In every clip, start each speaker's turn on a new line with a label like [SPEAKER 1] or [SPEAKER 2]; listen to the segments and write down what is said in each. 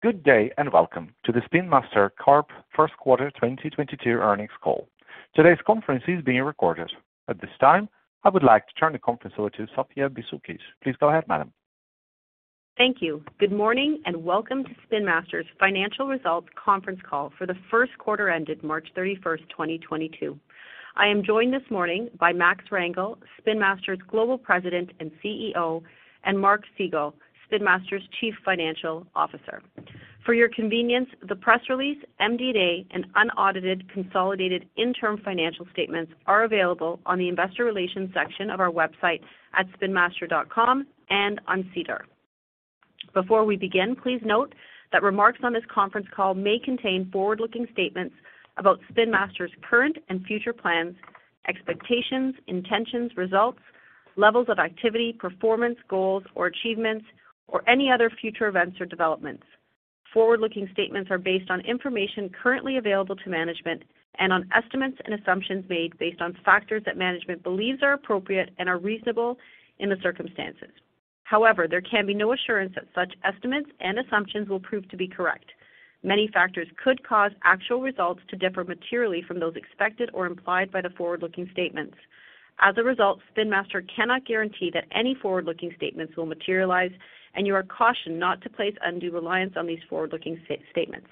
[SPEAKER 1] Good day, and welcome to the Spin Master Corp. Q1 2022 earnings call. Today's conference is being recorded. At this time, I would like to turn the conference over to Sophia Bisoukis. Please go ahead, madam.
[SPEAKER 2] Thank you. Good morning, and welcome to Spin Master's financial results conference call for the first quarter ended March 31, 2022. I am joined this morning by Max Rangel, Spin Master's Global President and CEO, and Mark Segal, Spin Master's Chief Financial Officer. For your convenience, the press release, MD&A, and unaudited consolidated interim financial statements are available on the investor relations section of our website at spinmaster.com and on SEDAR. Before we begin, please note that remarks on this conference call may contain forward-looking statements about Spin Master's current and future plans, expectations, intentions, results, levels of activity, performance, goals or achievements, or any other future events or developments. Forward-looking statements are based on information currently available to management and on estimates and assumptions made based on factors that management believes are appropriate and are reasonable in the circumstances. However, there can be no assurance that such estimates and assumptions will prove to be correct. Many factors could cause actual results to differ materially from those expected or implied by the forward-looking statements. As a result, Spin Master cannot guarantee that any forward-looking statements will materialize, and you are cautioned not to place undue reliance on these forward-looking statements.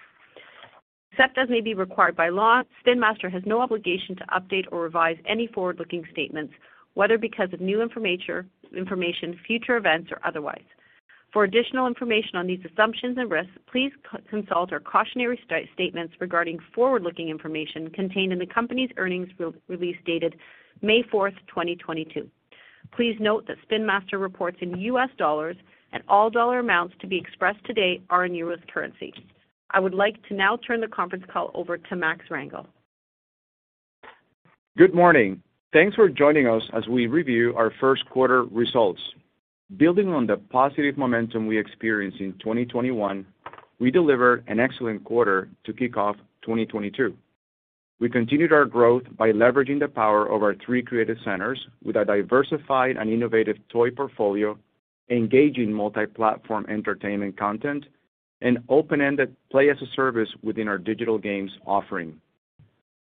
[SPEAKER 2] Except as may be required by law, Spin Master has no obligation to update or revise any forward-looking statements, whether because of new information, future events or otherwise. For additional information on these assumptions and risks, please consult our cautionary statements regarding forward-looking information contained in the company's earnings release dated May 4, 2022. Please note that Spin Master reports in U.S. dollars and all dollar amounts to be expressed today are in US currency. I would like to now turn the conference call over to Max Rangel.
[SPEAKER 3] Good morning. Thanks for joining us as we review our Q1 results. Building on the positive momentum we experienced in 2021, we delivered an excellent quarter to kick off 2022. We continued our growth by leveraging the power of our 3 creative centers with a diversified and innovative toy portfolio, engaging multi-platform entertainment content, and open-ended play as a service within our digital games offering.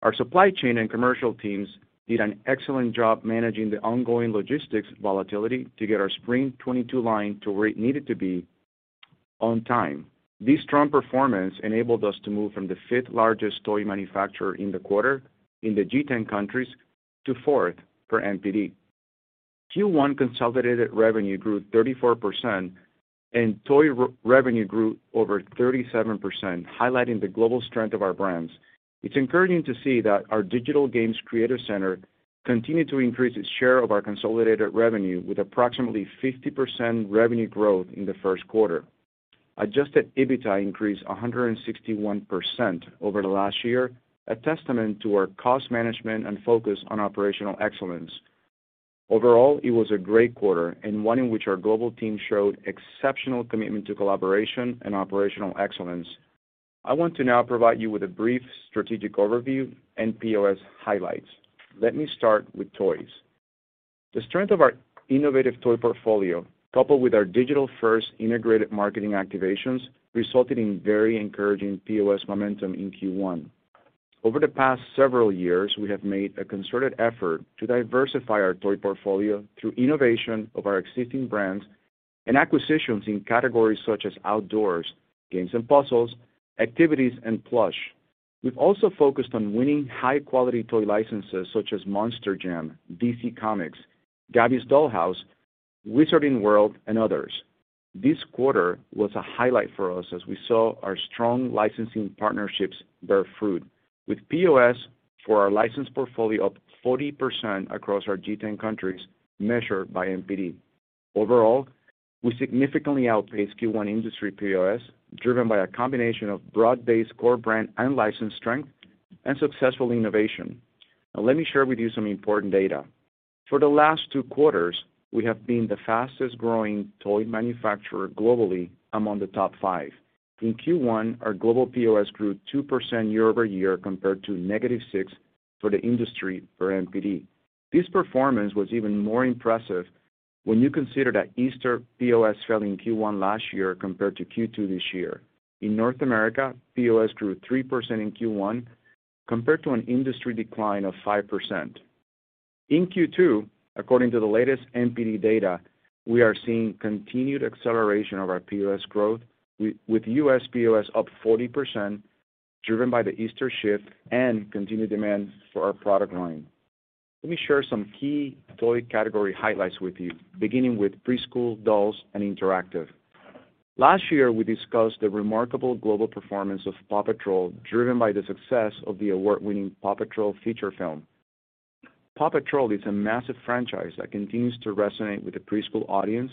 [SPEAKER 3] Our supply chain and commercial teams did an excellent job managing the ongoing logistics volatility to get our spring 2022 line to where it needed to be on time. This strong performance enabled us to move from the fifth-largest toy manufacturer in the quarter in the G10 countries to fourth per NPD. Q1 consolidated revenue grew 34%, and toy revenue grew over 37%, highlighting the global strength of our brands. It's encouraging to see that our digital games creative center continued to increase its share of our consolidated revenue with approximately 50% revenue growth in Q1. Adjusted EBITDA increased 161% over the last year, a testament to our cost management and focus on operational excellence. Overall, it was a great quarter and one in which our global team showed exceptional commitment to collaboration and operational excellence. I want to now provide you with a brief strategic overview and POS highlights. Let me start with toys. The strength of our innovative toy portfolio, coupled with our digital-first integrated marketing activations, resulted in very encouraging POS momentum in Q1. Over the past several years, we have made a concerted effort to diversify our toy portfolio through innovation of our existing brands and acquisitions in categories such as outdoors, games and puzzles, activities, and plush. We've also focused on winning high-quality toy licenses such as Monster Jam, DC Comics, Gabby's Dollhouse, Wizarding World, and others. This quarter was a highlight for us as we saw our strong licensing partnerships bear fruit, with POS for our license portfolio up 40% across our G10 countries, measured by NPD. Overall, we significantly outpaced Q1 industry POS, driven by a combination of broad-based core brand and license strength and successful innovation. Now, let me share with you some important data. For the last two quarters, we have been the fastest-growing toy manufacturer globally among the top 5. In Q1, our global POS grew 2% year-over-year compared to -6% for the industry for NPD. This performance was even more impressive when you consider that Easter POS fell in Q1 last year compared to Q2 this year. In North America, POS grew 3% in Q1 compared to an industry decline of 5%. In Q2, according to the latest NPD data, we are seeing continued acceleration of our POS growth with US POS up 40%, driven by the Easter shift and continued demand for our product line. Let me share some key toy category highlights with you, beginning with preschool, dolls, and interactive. Last year, we discussed the remarkable global performance of PAW Patrol, driven by the success of the award-winning PAW Patrol feature film. PAW Patrol is a massive franchise that continues to resonate with the preschool audience,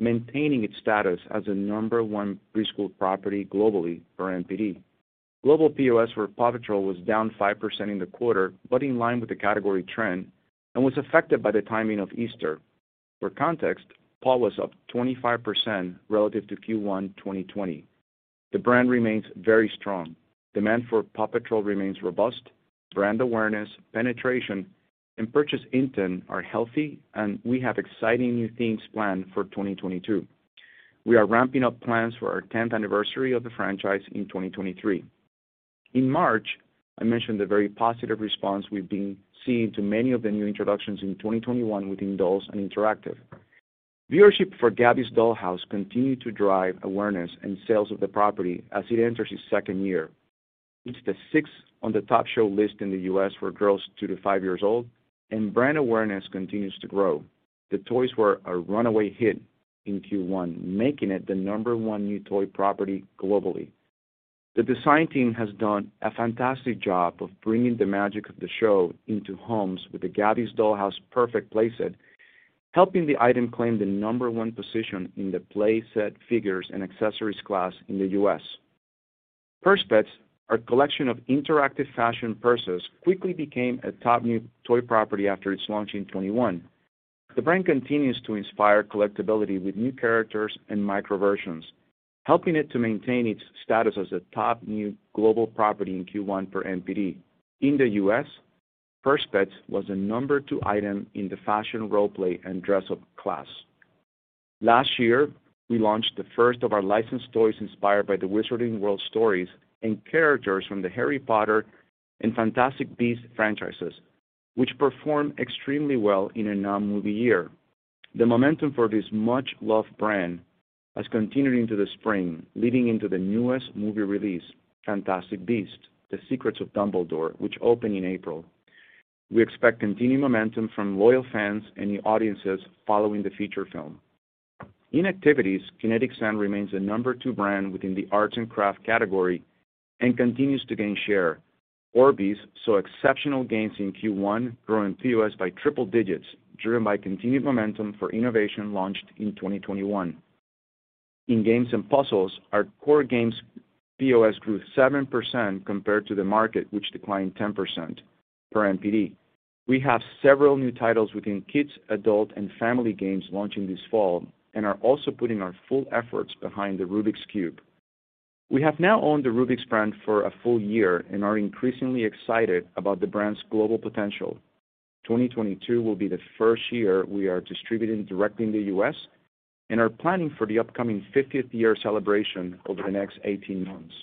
[SPEAKER 3] maintaining its status as the number one preschool property globally for NPD. Global POS for PAW Patrol was down 5% in the quarter, but in line with the category trend, and was affected by the timing of Easter. For context, PAW Patrol was up 25% relative to Q1 2020. The brand remains very strong. Demand for PAW Patrol remains robust. Brand awareness, penetration, and purchase intent are healthy, and we have exciting new things planned for 2022. We are ramping up plans for our 10th anniversary of the franchise in 2023. In March, I mentioned the very positive response we've been seeing to many of the new introductions in 2021 within dolls and interactive. Viewership for Gabby's Dollhouse continued to drive awareness and sales of the property as it enters its second year. It's the sixth on the top show list in the U.S. for girls 2 to 5 years old, and brand awareness continues to grow. The toys were a runaway hit in Q1, making it the number one new toy property globally. The design team has done a fantastic job of bringing the magic of the show into homes with the Gabby's Purrfect Dollhouse, helping the item claim the No. 1 position in the playset figures and accessories class in the U.S. Purse Pets, our collection of interactive fashion purses, quickly became a top new toy property after its launch in 2021. The brand continues to inspire collectibility with new characters and micro versions, helping it to maintain its status as a top new global property in Q1 per NPD. In the U.S., Purse Pets was the No. 2 item in the fashion role play and dress up class. Last year, we launched the first of our licensed toys inspired by the Wizarding World stories and characters from the Harry Potter and Fantastic Beasts franchises, which performed extremely well in a non-movie year. The momentum for this much-loved brand has continued into the spring, leading into the newest movie release, Fantastic Beasts: The Secrets of Dumbledore, which opened in April. We expect continued momentum from loyal fans and new audiences following the feature film. In activities, Kinetic Sand remains the number 2 brand within the arts and craft category and continues to gain share. Orbeez saw exceptional gains in Q1, growing POS by triple digits, driven by continued momentum for innovation launched in 2021. In games and puzzles, our core games POS grew 7% compared to the market, which declined 10% per NPD. We have several new titles within kids, adult, and family games launching this fall, and are also putting our full efforts behind the Rubik's Cube. We have now owned the Rubik's brand for a full year and are increasingly excited about the brand's global potential. 2022 will be the first year we are distributing directly in the U.S. and are planning for the upcoming 50th year celebration over the next 18 months.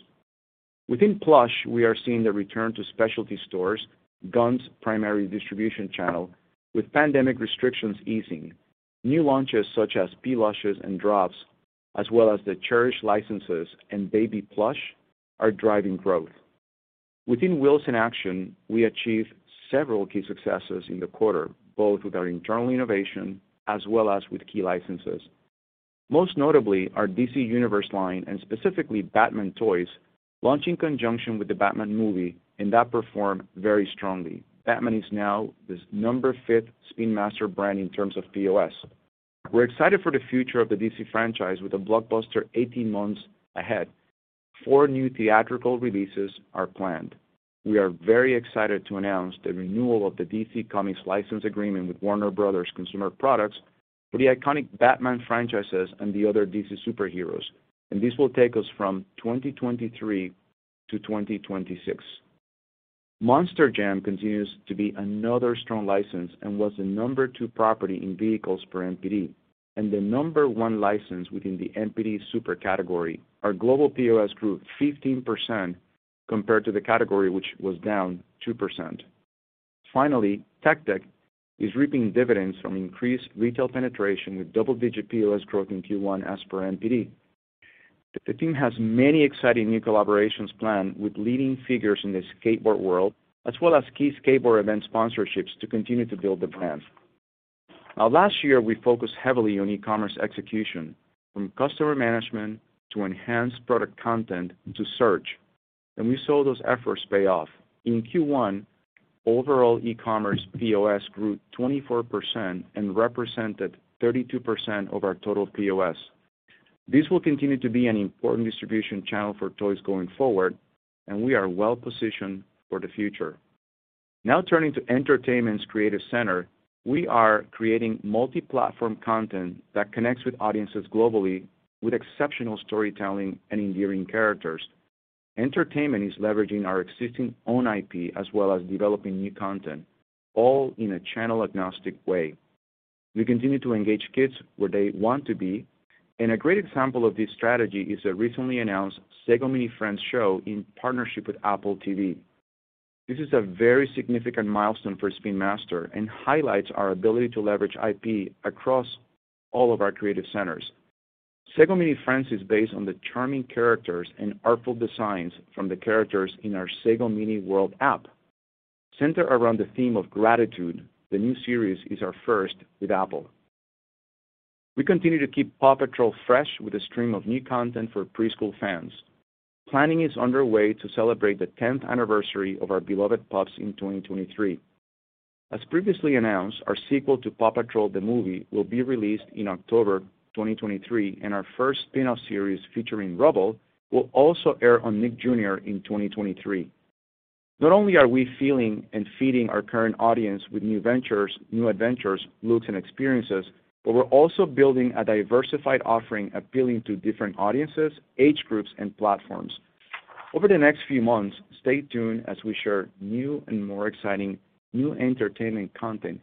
[SPEAKER 3] Within Plush, we are seeing the return to specialty stores, Gund's primary distribution channel, with pandemic restrictions easing. New launches such as Plushies and Drops, as well as the Cherish licenses and Baby Plush are driving growth. Within Wheels in Action, we achieved several key successes in the quarter, both with our internal innovation as well as with key licenses. Most notably, our DC Universe line, and specifically Batman toys, launched in conjunction with The Batman movie, and that performed very strongly. Batman is now the fifth Spin Master brand in terms of POS. We're excited for the future of the DC franchise with a blockbuster 18 months ahead. 4 new theatrical releases are planned. We are very excited to announce the renewal of the DC Comics license agreement with Warner Bros. Consumer Products for the iconic Batman franchises and the other DC superheroes. This will take us from 2023 to 2026. Monster Jam continues to be another strong license and was the number 2 property in vehicles per NPD and the number 1 license within the NPD super category. Our global POS grew 15% compared to the category, which was down 2%. Finally, Tech Deck is reaping dividends from increased retail penetration with double-digit POS growth in Q1 as per NPD. The team has many exciting new collaborations planned with leading figures in the skateboard world, as well as key skateboard event sponsorships to continue to build the brand. Now last year, we focused heavily on e-commerce execution, from customer management to enhanced product content to search, and we saw those efforts pay off. In Q1, overall e-commerce POS grew 24% and represented 32% of our total POS. This will continue to be an important distribution channel for toys going forward, and we are well-positioned for the future. Now turning to entertainment's creative center, we are creating multi-platform content that connects with audiences globally with exceptional storytelling and endearing characters. Entertainment is leveraging our existing own IP as well as developing new content, all in a channel-agnostic way. We continue to engage kids where they want to be, and a great example of this strategy is the recently announced Sago Mini Friends show in partnership with Apple TV+. This is a very significant milestone for Spin Master and highlights our ability to leverage IP across all of our creative centers. Sago Mini Friends is based on the charming characters and artful designs from the characters in our Sago Mini World app. Centered around the theme of gratitude, the new series is our first with Apple. We continue to keep PAW Patrol fresh with a stream of new content for preschool fans. Planning is underway to celebrate the tenth anniversary of our beloved pups in 2023. As previously announced, our sequel to PAW Patrol: The Movie will be released in October 2023, and our first spin-off series featuring Rubble will also air on Nick Jr. in 2023. Not only are we feeling and feeding our current audience with new ventures, new adventures, looks, and experiences, but we're also building a diversified offering appealing to different audiences, age groups, and platforms. Over the next few months, stay tuned as we share new and more exciting entertainment content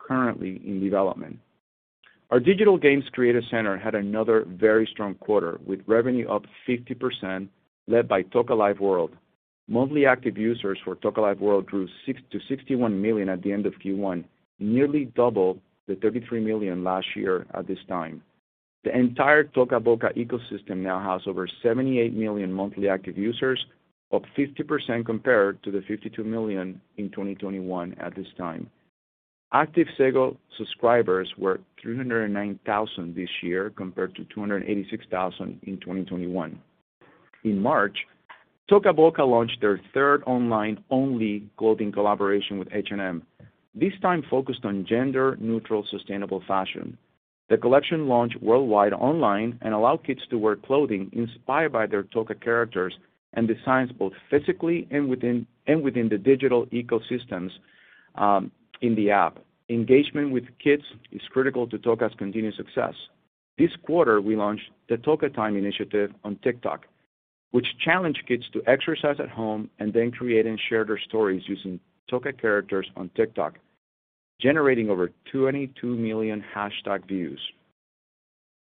[SPEAKER 3] currently in development. Our digital games creative center had another very strong quarter, with revenue up 50% led by Toca Life World. Monthly active users for Toca Life World grew 6 to 61 million at the end of Q1, nearly double the 33 million last year at this time. The entire Toca Boca ecosystem now has over 78 million monthly active users, up 50% compared to the 52 million in 2021 at this time. Active Sago subscribers were 309 thousand this year, compared to 286 thousand in 2021. In March, Toca Boca launched their third online only clothing collaboration with H&M, this time focused on gender neutral, sustainable fashion. The collection launched worldwide online and allows kids to wear clothing inspired by their Toca characters and designs, both physically and within the digital ecosystems in the app. Engagement with kids is critical to Toca's continued success. This quarter we launched the Toca Time initiative on TikTok, which challenged kids to exercise at home and then create and share their stories using Toca characters on TikTok, generating over 22 million hashtag views.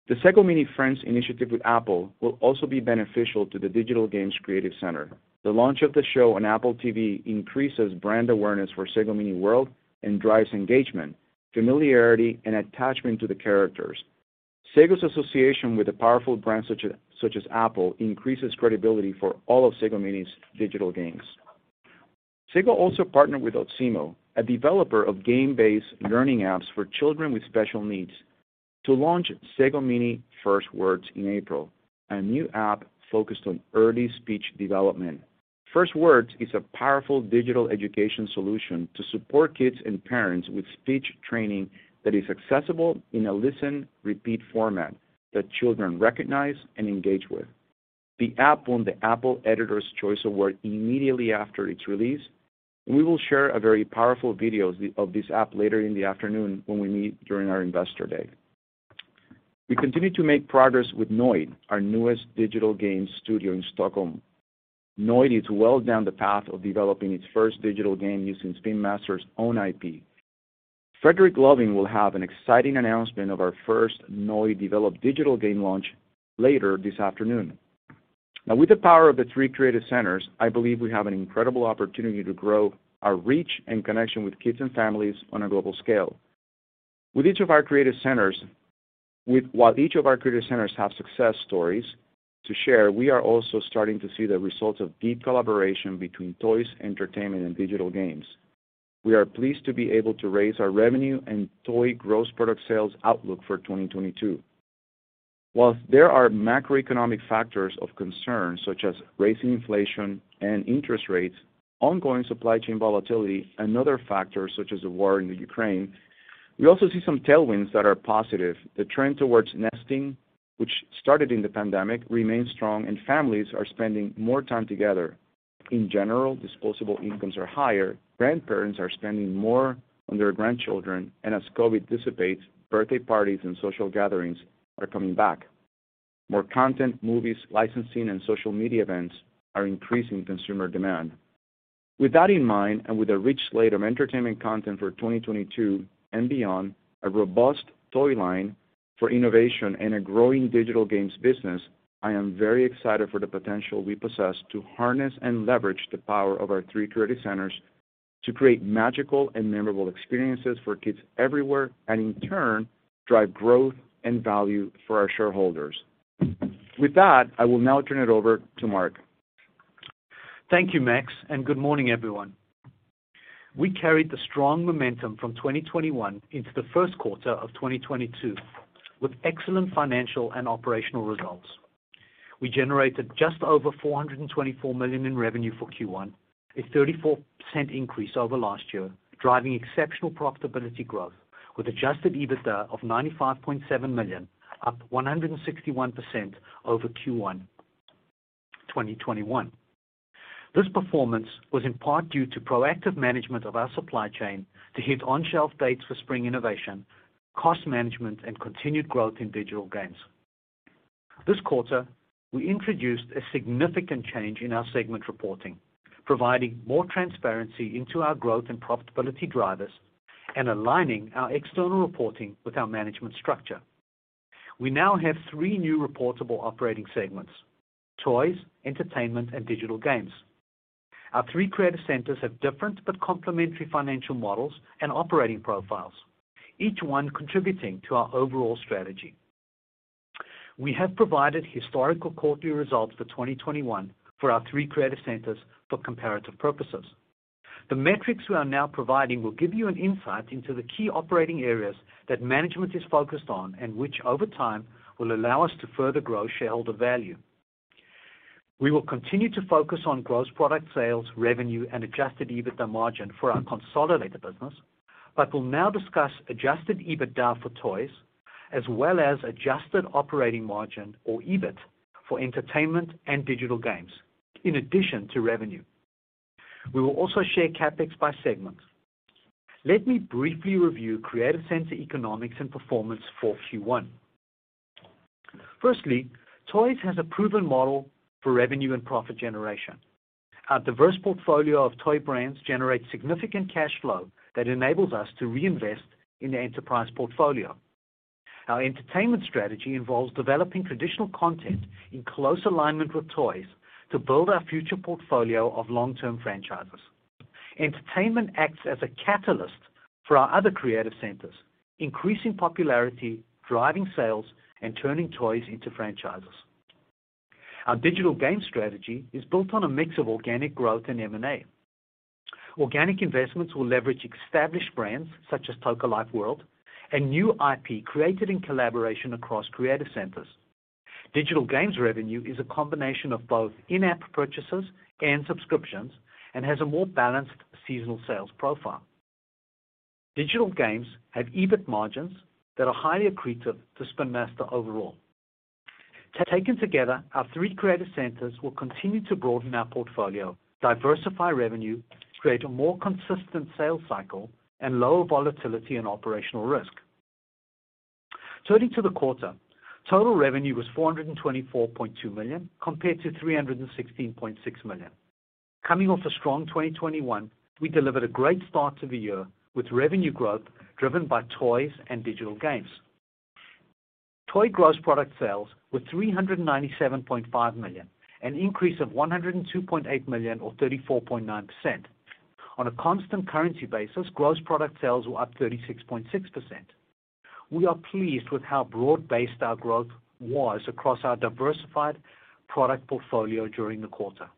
[SPEAKER 3] The Sago Mini Friends initiative with Apple will also be beneficial to the digital games creative center. The launch of the show on Apple TV increases brand awareness for Sago Mini World and drives engagement, familiarity and attachment to the characters. Sago's association with a powerful brand such as Apple increases credibility for all of Sago Mini's digital games. Sago also partnered with Otsimo, a developer of game-based learning apps for children with special needs to launch Sago Mini First Words in April, a new app focused on early speech development. First Words is a powerful digital education solution to support kids and parents with speech training that is accessible in a listen, repeat format that children recognize and engage with. The app won the Apple Editors' Choice Award immediately after its release. We will share a very powerful video of this app later in the afternoon when we meet during our Investor Day. We continue to make progress with Noid, our newest digital game studio in Stockholm. Noid is well down the path of developing its first digital game using Spin Master's own IP. Fredrik Loving will have an exciting announcement of our first Noid developed digital game launch later this afternoon. Now, with the power of the three creative centers, I believe we have an incredible opportunity to grow our reach and connection with kids and families on a global scale. While each of our creative centers have success stories to share, we are also starting to see the results of deep collaboration between toys, entertainment, and digital games. We are pleased to be able to raise our revenue and toy gross product sales outlook for 2022. While there are macroeconomic factors of concern, such as rising inflation and interest rates, ongoing supply chain volatility, and other factors such as the war in Ukraine, we also see some tailwinds that are positive. The trend towards nesting, which started in the pandemic, remains strong and families are spending more time together. In general, disposable incomes are higher, grandparents are spending more on their grandchildren, and as COVID dissipates, birthday parties and social gatherings are coming back. More content, movies, licensing and social media events are increasing consumer demand. With that in mind, and with a rich slate of entertainment content for 2022 and beyond, a robust toy line for innovation and a growing digital games business, I am very excited for the potential we possess to harness and leverage the power of our three creative centers to create magical and memorable experiences for kids everywhere, and in turn, drive growth and value for our shareholders. With that, I will now turn it over to Mark.
[SPEAKER 4] Thank you, Max, and good morning, everyone. We carried the strong momentum from 2021 into Q1 of 2022 with excellent financial and operational results. We generated just over $424 million in revenue for Q1, a 34% increase over last year, driving exceptional profitability growth with adjusted EBITDA of $95.7 million, up 161% over Q1 2021. This performance was in part due to proactive management of our supply chain to hit on shelf dates for spring innovation, cost management and continued growth in digital games. This quarter, we introduced a significant change in our segment reporting, providing more transparency into our growth and profitability drivers and aligning our external reporting with our management structure. We now have three new reportable operating segments. Toys, Entertainment, and Digital Games. Our three creative centers have different but complementary financial models and operating profiles, each one contributing to our overall strategy. We have provided historical quarterly results for 2021 for our three creative centers for comparative purposes. The metrics we are now providing will give you an insight into the key operating areas that management is focused on and which, over time, will allow us to further grow shareholder value. We will continue to focus on gross product sales, revenue and adjusted EBITDA margin for our consolidated business, but will now discuss adjusted EBITDA for toys as well as adjusted operating margin or EBIT for entertainment and digital games in addition to revenue. We will also share CapEx by segment. Let me briefly review Creative Center economics and performance for Q1. Firstly, Toys has a proven model for revenue and profit generation. Our diverse portfolio of toy brands generates significant cash flow that enables us to reinvest in the entertainment portfolio. Our entertainment strategy involves developing traditional content in close alignment with toys to build our future portfolio of long-term franchises. Entertainment acts as a catalyst for our other creative centers, increasing popularity, driving sales, and turning toys into franchises. Our digital game strategy is built on a mix of organic growth and M&A. Organic investments will leverage established brands such as Toca Life World and new IP created in collaboration across creative centers. Digital games revenue is a combination of both in-app purchases and subscriptions and has a more balanced seasonal sales profile. Digital games have EBIT margins that are highly accretive to Spin Master overall. Taken together, our three creative centers will continue to broaden our portfolio, diversify revenue, create a more consistent sales cycle, and lower volatility and operational risk. Turning to the quarter, total revenue was $424.2 million compared to $316.6 million. Coming off a strong 2021, we delivered a great start to the year with revenue growth driven by toys and digital games. Toy gross product sales were $397.5 million, an increase of $102.8 million or 34.9%. On a constant currency basis, gross product sales were up 36.6%. We are pleased with how broad-based our growth was across our diversified product portfolio during the quarter.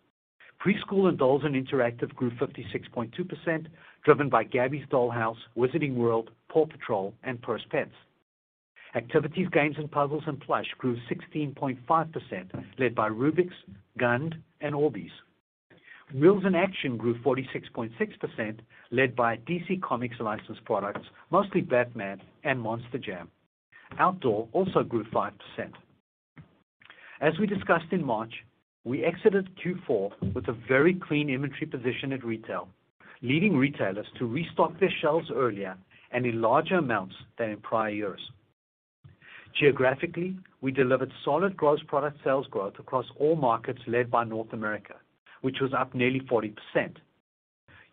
[SPEAKER 4] Preschool and dolls and interactive grew 56.2%, driven by Gabby's Dollhouse, Wizarding World, PAW Patrol, and Purse Pets. Activities, games and puzzles, and plush grew 16.5%, led by Rubik's, Gund, and Orbeez. Wheels in action grew 46.6%, led by DC Comics licensed products, mostly Batman and Monster Jam. Outdoor also grew 5%. As we discussed in March, we exited Q4 with a very clean inventory position at retail, leading retailers to restock their shelves earlier and in larger amounts than in prior years. Geographically, we delivered solid gross product sales growth across all markets led by North America, which was up nearly 40%.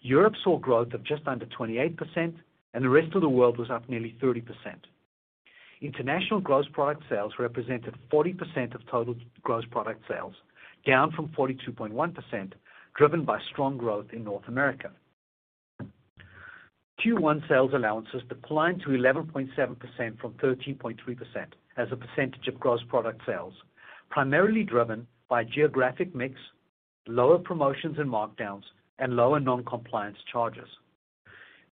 [SPEAKER 4] Europe saw growth of just under 28%, and the rest of the world was up nearly 30%. International gross product sales represented 40% of total gross product sales, down from 42.1%, driven by strong growth in North America. Q1 sales allowances declined to 11.7% from 13.3% as a percentage of gross product sales, primarily driven by geographic mix, lower promotions and markdowns, and lower non-compliance charges.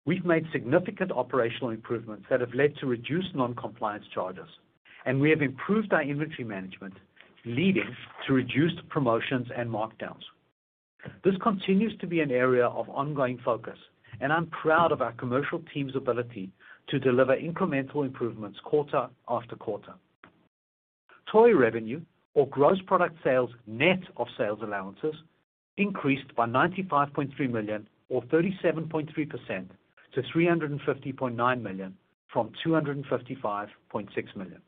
[SPEAKER 4] We've made significant operational improvements that have led to reduced non-compliance charges, and we have improved our inventory management, leading to reduced promotions and markdowns. This continues to be an area of ongoing focus, and I'm proud of our commercial team's ability to deliver incremental improvements quarter after quarter. Toy revenue or gross product sales net of sales allowances increased by $95.3 million or 37.3%- $350.9 million from $255.6 million.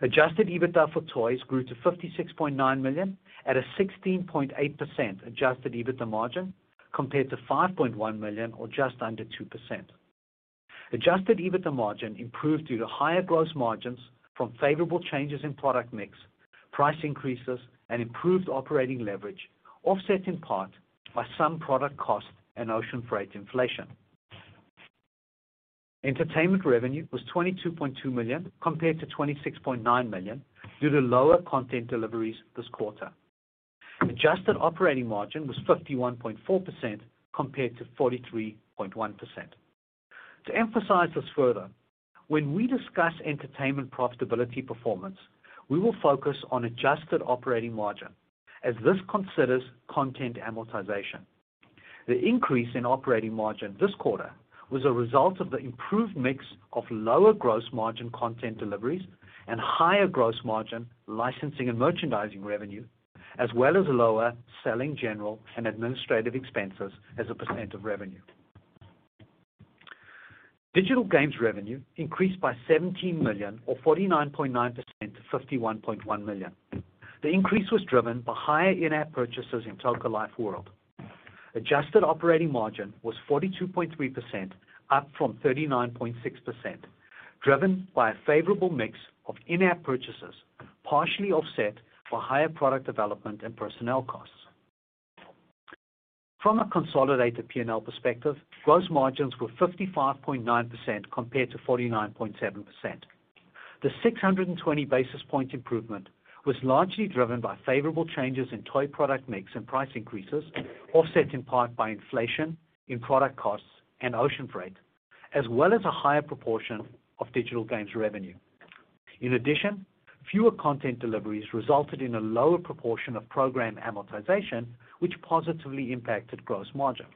[SPEAKER 4] Adjusted EBITDA for toys grew to $56.9 million at a 16.8% adjusted EBITDA margin compared to $5.1 million or just under 2%. Adjusted EBITDA margin improved due to higher gross margins from favorable changes in product mix, price increases, and improved operating leverage, offset in part by some product cost and ocean freight inflation. Entertainment revenue was $22.2 million compared to $26.9 million due to lower content deliveries this quarter. Adjusted operating margin was 51.4% compared to 43.1%. To emphasize this further, when we discuss entertainment profitability performance, we will focus on adjusted operating margin as this considers content amortization. The increase in operating margin this quarter was a result of the improved mix of lower gross margin content deliveries and higher gross margin licensing and merchandising revenue, as well as lower selling, general, and administrative expenses as a % of revenue. Digital games revenue increased by $17 million or 49.9% - $51.1 million. The increase was driven by higher in-app purchases in Toca Life World. Adjusted operating margin was 42.3%, up from 39.6%, driven by a favorable mix of in-app purchases, partially offset by higher product development and personnel costs. From a consolidated P&L perspective, gross margins were 55.9% compared to 49.7%. The 620 basis point improvement was largely driven by favorable changes in toy product mix and price increases, offset in part by inflation in product costs and ocean freight, as well as a higher proportion of digital games revenue. In addition, fewer content deliveries resulted in a lower proportion of program amortization, which positively impacted gross margin.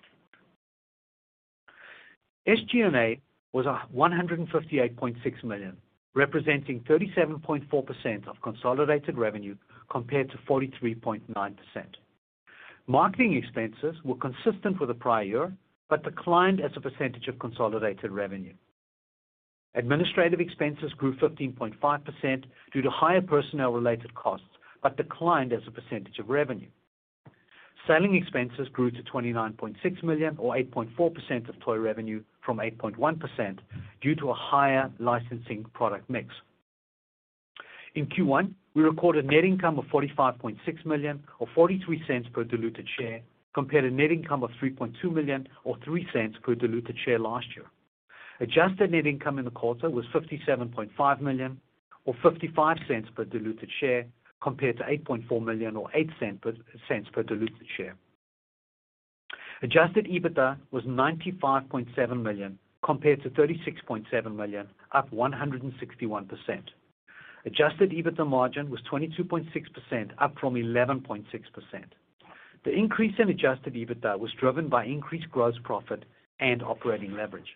[SPEAKER 4] SG&A was $158.6 million, representing 37.4% of consolidated revenue compared to 43.9%. Marketing expenses were consistent with the prior year, but declined as a percentage of consolidated revenue. Administrative expenses grew 15.5% due to higher personnel related costs, but declined as a percentage of revenue. Selling expenses grew to $29.6 million or 8.4% of toy revenue from 8.1% due to a higher licensing product mix. In Q1, we recorded net income of $45.6 million or $0.43 per diluted share, compared to net income of $3.2 million or $0.03 per diluted share last year. Adjusted net income in the quarter was $57.5 million or $0.55 per diluted share, compared to $8.4 million or $0.08 per diluted share. Adjusted EBITDA was $95.7 million compared to $36.7 million, up 161%. Adjusted EBITDA margin was 22.6%, up from 11.6%. The increase in adjusted EBITDA was driven by increased gross profit and operating leverage.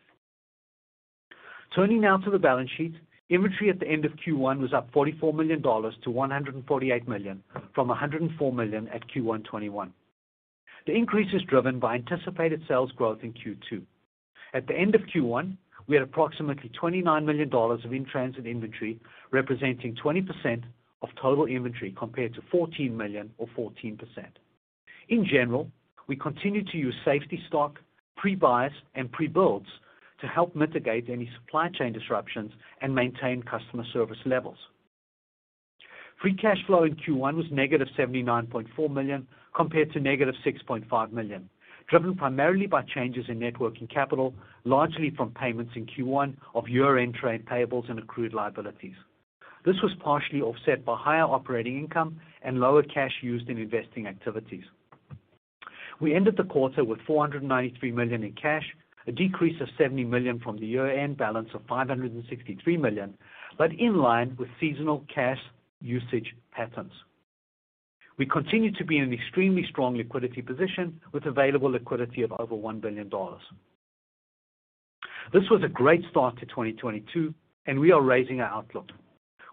[SPEAKER 4] Turning now to the balance sheet. Inventory at the end of Q1 was up $44 million to $148 million from $104 million at Q1 2021. The increase is driven by anticipated sales growth in Q2. At the end of Q1, we had approximately $29 million of in-transit inventory, representing 20% of total inventory compared to $14 million or 14%. In general, we continue to use safety stock, pre-buys, and pre-builds to help mitigate any supply chain disruptions and maintain customer service levels. Free cash flow in Q1 was negative $79.4 million compared to negative $6.5 million, driven primarily by changes in net working capital, largely from payments in Q1 of year-end trade payables and accrued liabilities. This was partially offset by higher operating income and lower cash used in investing activities. We ended the quarter with $493 million in cash, a decrease of $70 million from the year-end balance of $563 million, but in line with seasonal cash usage patterns. We continue to be in an extremely strong liquidity position with available liquidity of over $1 billion. This was a great start to 2022 and we are raising our outlook.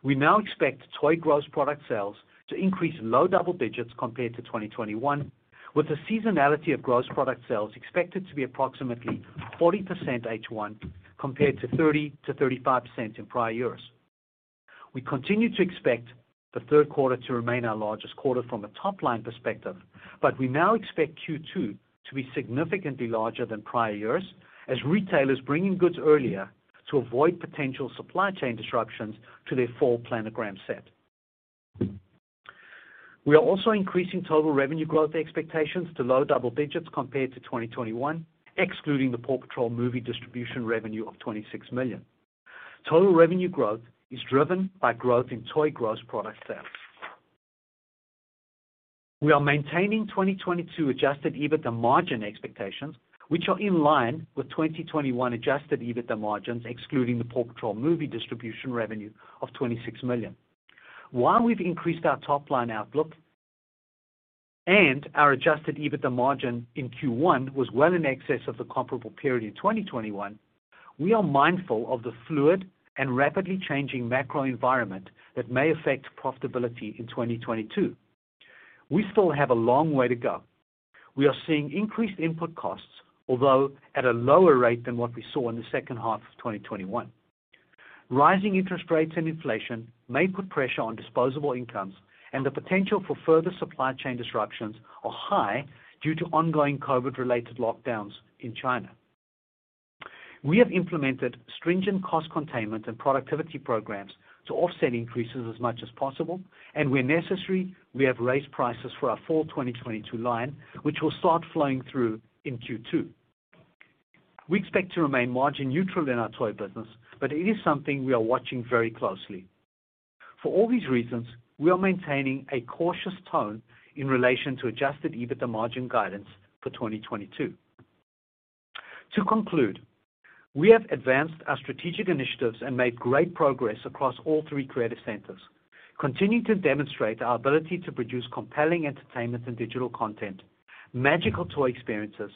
[SPEAKER 4] We now expect toy gross product sales to increase low double digits compared to 2021, with the seasonality of gross product sales expected to be approximately 40% H1 compared to 30%-35% in prior years. We continue to expect the third quarter to remain our largest quarter from a top line perspective, but we now expect Q2 to be significantly larger than prior years as retailers bring in goods earlier to avoid potential supply chain disruptions to their fall planogram set. We are also increasing total revenue growth expectations to low double digits compared to 2021, excluding the PAW Patrol movie distribution revenue of $26 million. Total revenue growth is driven by growth in toy gross product sales. We are maintaining 2022 adjusted EBITDA margin expectations, which are in line with 2021 adjusted EBITDA margins excluding the PAW Patrol movie distribution revenue of $26 million. While we've increased our top line outlook and our adjusted EBITDA margin in Q1 was well in excess of the comparable period in 2021, we are mindful of the fluid and rapidly changing macro environment that may affect profitability in 2022. We still have a long way to go. We are seeing increased input costs, although at a lower rate than what we saw in the second half of 2021. Rising interest rates and inflation may put pressure on disposable incomes, and the potential for further supply chain disruptions are high due to ongoing COVID-related lockdowns in China. We have implemented stringent cost containment and productivity programs to offset increases as much as possible, and where necessary, we have raised prices for our fall 2022 line, which will start flowing through in Q2. We expect to remain margin neutral in our toy business, but it is something we are watching very closely. For all these reasons, we are maintaining a cautious tone in relation to adjusted EBITDA margin guidance for 2022. To conclude, we have advanced our strategic initiatives and made great progress across all three creative centers, continuing to demonstrate our ability to produce compelling entertainment and digital content, magical toy experiences,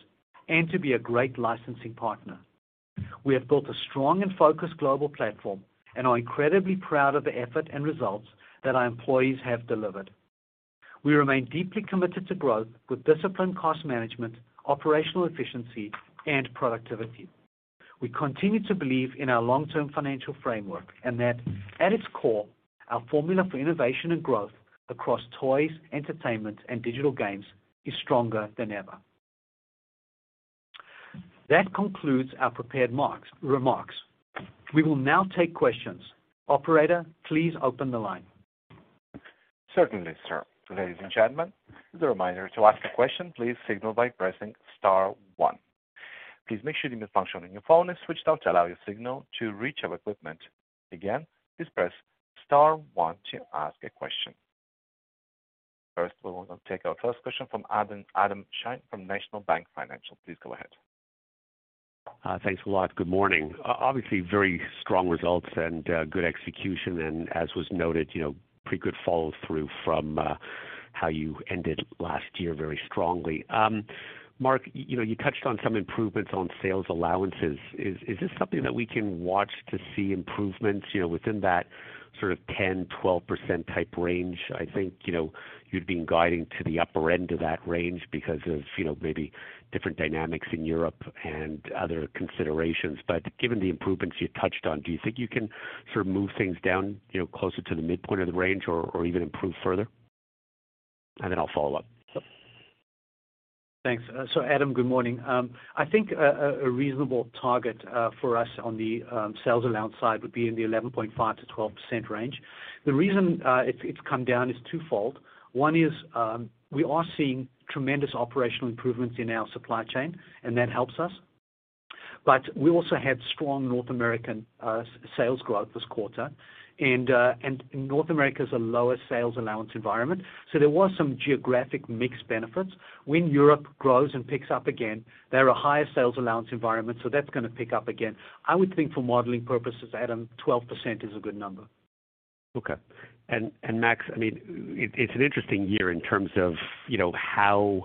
[SPEAKER 4] and to be a great licensing partner. We have built a strong and focused global platform and are incredibly proud of the effort and results that our employees have delivered. We remain deeply committed to growth with disciplined cost management, operational efficiency and productivity. We continue to believe in our long-term financial framework and that at its core, our formula for innovation and growth across toys, entertainment and digital games is stronger than ever. That concludes our prepared remarks. We will now take questions. Operator, please open the line.
[SPEAKER 1] Certainly, sir. Ladies and gentlemen, as a reminder, to ask a question, please signal by pressing star one. Please make sure the mute function on your phone is switched off to allow your signal to reach our equipment. Again, please press star one to ask a question. First, we will now take our first question from Adam Shine from National Bank Financial. Please go ahead.
[SPEAKER 5] Thanks a lot. Good morning. Obviously, very strong results and good execution. As was noted, you know, pretty good follow through from how you ended last year very strongly. Mark, you know, you touched on some improvements on sales allowances. Is this something that we can watch to see improvements, you know, within that sort of 10%-12% type range? I think, you know, you'd been guiding to the upper end of that range because of, you know, maybe different dynamics in Europe and other considerations. But given the improvements you touched on, do you think you can sort of move things down, you know, closer to the midpoint of the range or even improve further? I'll follow up.
[SPEAKER 4] Thanks. Adam, good morning. I think a reasonable target for us on the sales allowance side would be in the 11.5%-12% range. The reason it's come down is twofold. One is, we are seeing tremendous operational improvements in our supply chain, and that helps us. We also had strong North American sales growth this quarter. North America is a lower sales allowance environment, so there was some geographic mix benefits. When Europe grows and picks up again, they're a higher sales allowance environment, so that's gonna pick up again. I would think for modeling purposes, Adam, 12% is a good number.
[SPEAKER 5] Okay. Max, I mean, it's an interesting year in terms of, you know, how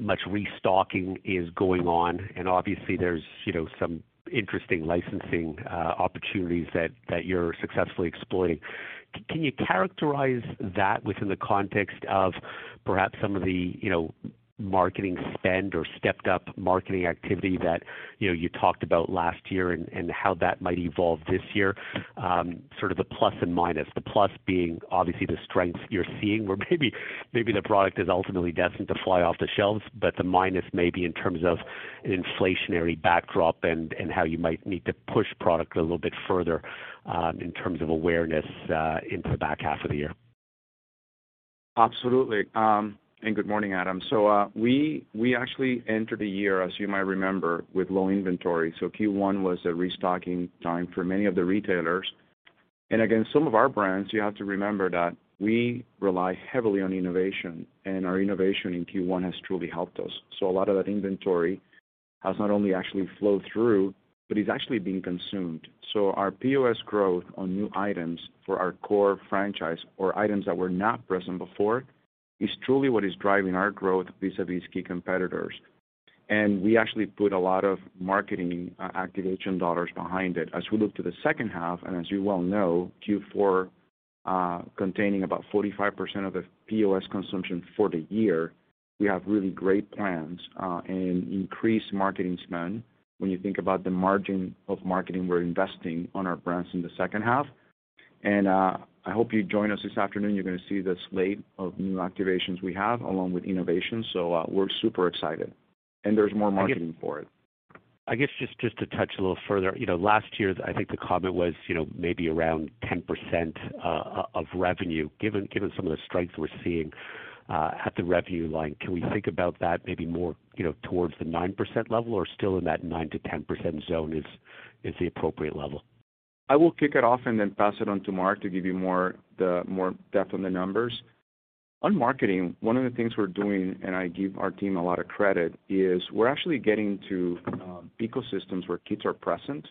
[SPEAKER 5] much restocking is going on. Obviously, there's, you know, some interesting licensing opportunities that you're successfully exploiting. Can you characterize that within the context of perhaps some of the, you know, marketing spend or stepped up marketing activity that, you know, you talked about last year and how that might evolve this year, sort of the plus and minus? The plus being obviously the strengths you're seeing where maybe the product is ultimately destined to fly off the shelves, but the minus may be in terms of an inflationary backdrop and how you might need to push product a little bit further, in terms of awareness, into the back half of the year.
[SPEAKER 3] Absolutely. Good morning, Adam. We actually entered the year, as you might remember, with low inventory. Q1 was a restocking time for many of the retailers. Again, some of our brands, you have to remember that we rely heavily on innovation, and our innovation in Q1 has truly helped us. A lot of that inventory has not only actually flowed through, but is actually being consumed. Our POS growth on new items for our core franchise or items that were not present before is truly what is driving our growth vis-à-vis key competitors. We actually put a lot of marketing activation dollars behind it. As we look to H2, and as you well know, Q4 containing about 45% of the POS consumption for the year, we have really great plans, and increased marketing spend when you think about the margin of marketing we're investing on our brands in H2. I hope you join us this afternoon. You're gonna see the slate of new activations we have along with innovation. We're super excited and there's more marketing for it.
[SPEAKER 5] I guess just to touch a little further. You know, last year, I think the comment was, you know, maybe around 10% of revenue. Given some of the strength we're seeing at the revenue line, can we think about that maybe more, you know, towards the 9% level or still in that 9%-10% zone is the appropriate level?
[SPEAKER 3] I will kick it off and then pass it on to Mark to give you more, the more depth on the numbers. On marketing, one of the things we're doing, and I give our team a lot of credit, is we're actually getting to ecosystems where kids are present,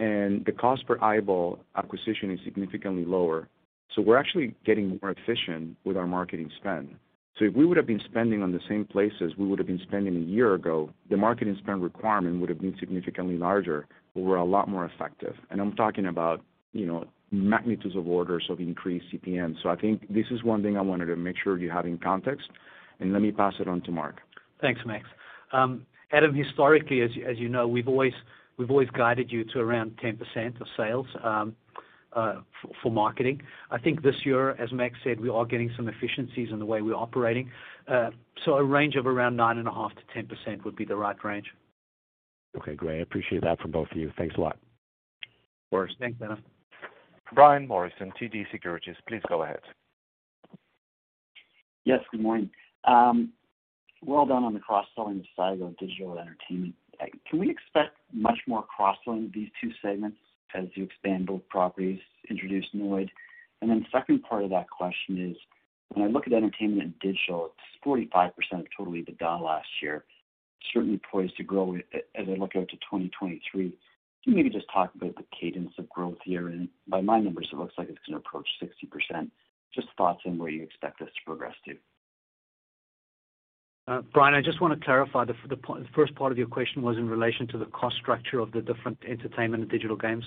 [SPEAKER 3] and the cost per eyeball acquisition is significantly lower. We're actually getting more efficient with our marketing spend. If we would have been spending on the same places we would have been spending a year ago, the marketing spend requirement would have been significantly larger, but we're a lot more effective. I'm talking about, you know, orders of magnitude decreased CPMs. I think this is one thing I wanted to make sure you have in context, and let me pass it on to Mark.
[SPEAKER 4] Thanks, Max. Adam, historically, as you know, we've always guided you to around 10% of sales for marketing. I think this year, as Max said, we are getting some efficiencies in the way we're operating. So a range of around 9.5%-10% would be the right range.
[SPEAKER 5] Okay, great. I appreciate that from both of you. Thanks a lot.
[SPEAKER 3] Of course.
[SPEAKER 4] Thanks, Adam.
[SPEAKER 1] Brian Morrison, TD Securities, please go ahead.
[SPEAKER 6] Yes, good morning. Well done on the cross-selling side of digital and entertainment. Can we expect much more cross-selling of these two segments as you expand both properties, introduce Noid? Second part of that question is, when I look at entertainment and digital, it's 45% of total EBITDA last year, certainly poised to grow as I look out to 2023. Can you maybe just talk about the cadence of growth here? By my numbers, it looks like it's gonna approach 60%. Just thoughts on where you expect this to progress to.
[SPEAKER 4] Brian, I just wanna clarify the first part of your question was in relation to the cost structure of the different entertainment and digital games,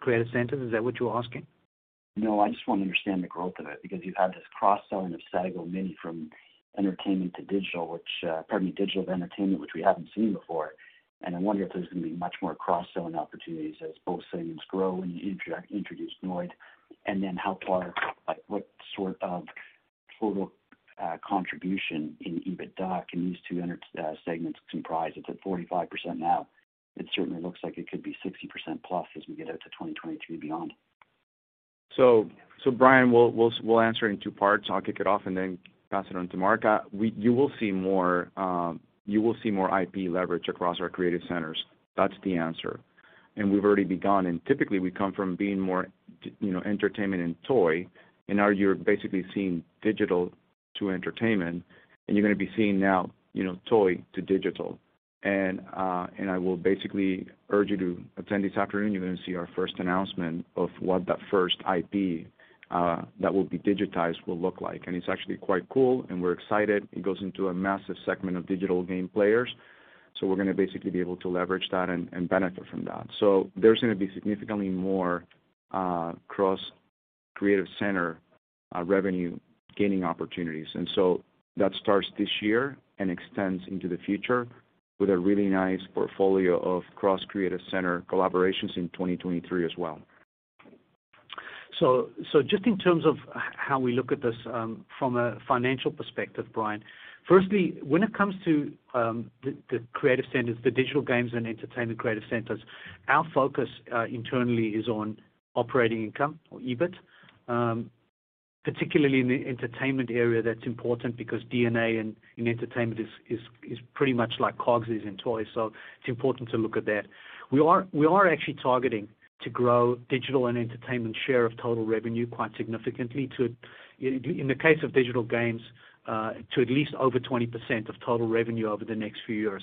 [SPEAKER 4] creative centers. Is that what you're asking?
[SPEAKER 6] No, I just want to understand the growth of it because you've had this cross-selling of Sago Mini from entertainment to digital, which, pardon me, digital to entertainment, which we haven't seen before. I wonder if there's going to be much more cross-selling opportunities as both segments grow and you introduce Noid. Then how far, like, what sort of total contribution in EBITDA can these two segments comprise? It's at 45% now. It certainly looks like it could be 60% plus as we get out to 2022 beyond.
[SPEAKER 3] Brian, we'll answer in two parts. I'll kick it off and then pass it on to Mark. You will see more IP leverage across our creative centers. That's the answer. We've already begun. Typically, we come from being more you know, entertainment and toy, and now you're basically seeing digital to entertainment, and you're gonna be seeing now, you know, toy to digital. I will basically urge you to attend this afternoon. You're going to see our first announcement of what that first IP that will be digitized will look like. It's actually quite cool, and we're excited. It goes into a massive segment of digital game players. We're gonna basically be able to leverage that and benefit from that. There's gonna be significantly more cross-creative center revenue-gaining opportunities. That starts this year and extends into the future with a really nice portfolio of cross-creative center collaborations in 2023 as well.
[SPEAKER 4] Just in terms of how we look at this, from a financial perspective, Brian, firstly, when it comes to the creative centers, the digital games and entertainment creative centers, our focus internally is on operating income or EBIT. Particularly in the entertainment area, that's important because D&A in entertainment is pretty much like COGS is in toys. It's important to look at that. We are actually targeting to grow digital and entertainment share of total revenue quite significantly. In the case of digital games, to at least over 20% of total revenue over the next few years.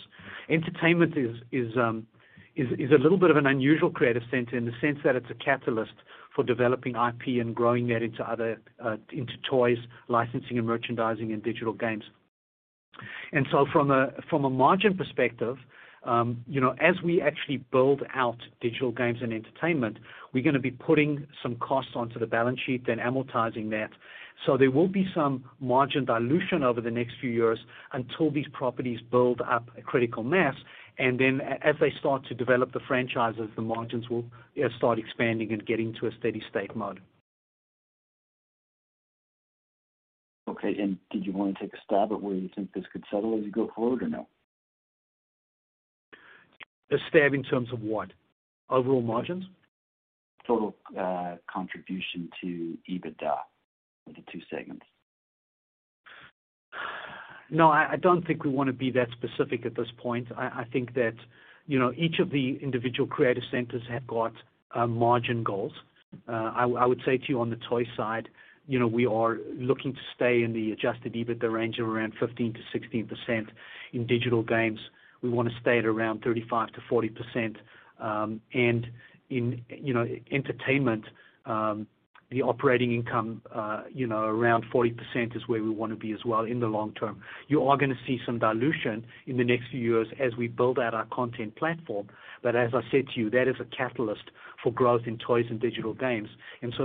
[SPEAKER 4] Entertainment is a little bit of an unusual creative center in the sense that it's a catalyst for developing IP and growing that into other toys, licensing and merchandising and digital games. From a margin perspective, you know, as we actually build out digital games and entertainment, we're gonna be putting some costs onto the balance sheet, then amortizing that. There will be some margin dilution over the next few years until these properties build up a critical mass. As they start to develop the franchises, the margins will start expanding and getting to a steady-state mode.
[SPEAKER 6] Okay. Did you want to take a stab at where you think this could settle as you go forward or no?
[SPEAKER 4] A stab in terms of what? Overall margins?
[SPEAKER 6] Total contribution to EBITDA in the two segments.
[SPEAKER 4] No, I don't think we wanna be that specific at this point. I think that, you know, each of the individual creative centers have got margin goals. I would say to you on the toy side, you know, we are looking to stay in the adjusted EBITDA range of around 15%-16%. In digital games, we wanna stay at around 35%-40%. In entertainment, the operating income, you know, around 40% is where we wanna be as well in the long term. You are gonna see some dilution in the next few years as we build out our content platform. As I said to you, that is a catalyst for growth in toys and digital games.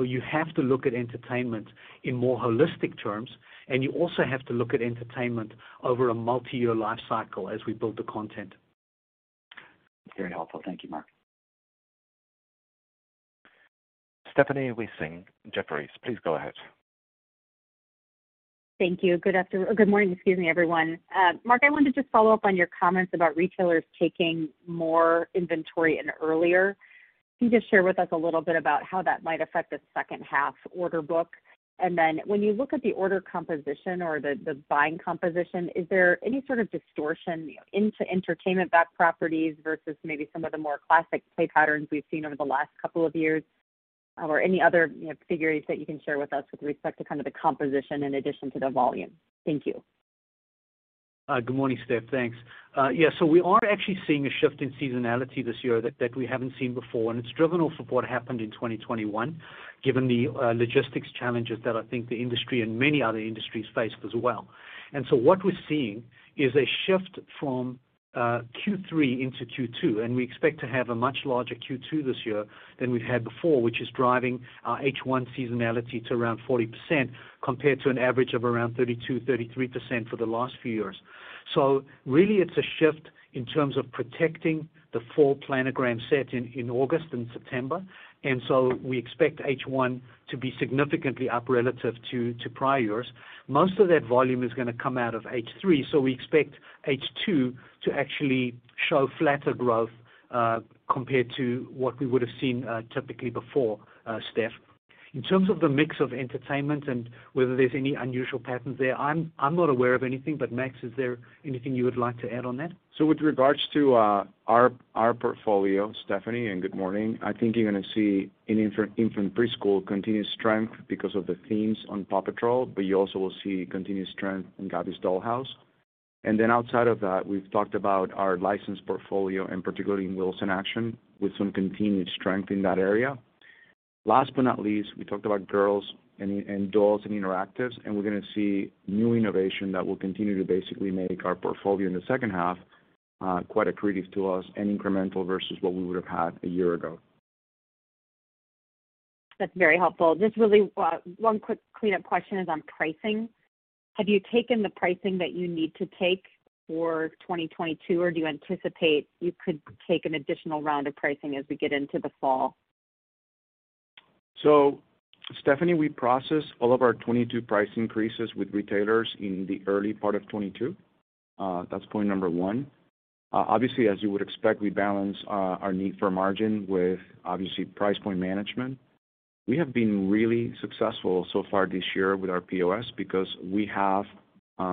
[SPEAKER 4] You have to look at entertainment in more holistic terms, and you also have to look at entertainment over a multi-year life cycle as we build the content.
[SPEAKER 6] Very helpful. Thank you, Mark.
[SPEAKER 1] Stephanie Wissink, Jefferies, please go ahead.
[SPEAKER 7] Thank you. Good morning, excuse me, everyone. Mark, I wanted to just follow up on your comments about retailers taking more inventory and earlier. Can you just share with us a little bit about how that might affect the second half order book? When you look at the order composition or the buying composition, is there any sort of distortion into entertainment backed properties versus maybe some of the more classic play patterns we've seen over the last couple of years? Any other, you know, figures that you can share with us with respect to kind of the composition in addition to the volume? Thank you.
[SPEAKER 4] Good morning, Steph. Thanks. Yeah. We are actually seeing a shift in seasonality this year that we haven't seen before, and it's driven by what happened in 2021, given the logistics challenges that I think the industry and many other industries faced as well. What we're seeing is a shift from Q3 into Q2, and we expect to have a much larger Q2 this year than we've had before, which is driving our H1 seasonality to around 40% compared to an average of around 32%-33% for the last few years. Really it's a shift in terms of protecting the full planogram set in August and September. We expect H1 to be significantly up relative to prior years. Most of that volume is gonna come out of Q3, so we expect H2 to actually show flatter growth compared to what we would have seen typically before, Steph. In terms of the mix of entertainment and whether there's any unusual patterns there, I'm not aware of anything, but Max, is there anything you would like to add on that?
[SPEAKER 3] With regards to our portfolio, Stephanie, good morning, I think you're gonna see in infant preschool continued strength because of the themes on PAW Patrol, but you also will see continued strength in Gabby's Dollhouse. Then outside of that, we've talked about our licensed portfolio, and particularly in wheels and action, with some continued strength in that area. Last but not least, we talked about girls and dolls and interactives, and we're gonna see new innovation that will continue to basically make our portfolio in the second half quite accretive to us and incremental versus what we would have had a year ago.
[SPEAKER 7] That's very helpful. Just really one quick cleanup question is on pricing. Have you taken the pricing that you need to take for 2022, or do you anticipate you could take an additional round of pricing as we get into the fall?
[SPEAKER 3] Stephanie, we processed all of our 22 price increases with retailers in the early part of 2022. That's point number one. Obviously, as you would expect, we balance our need for margin with obviously price point management. We have been really successful so far this year with our POS because we have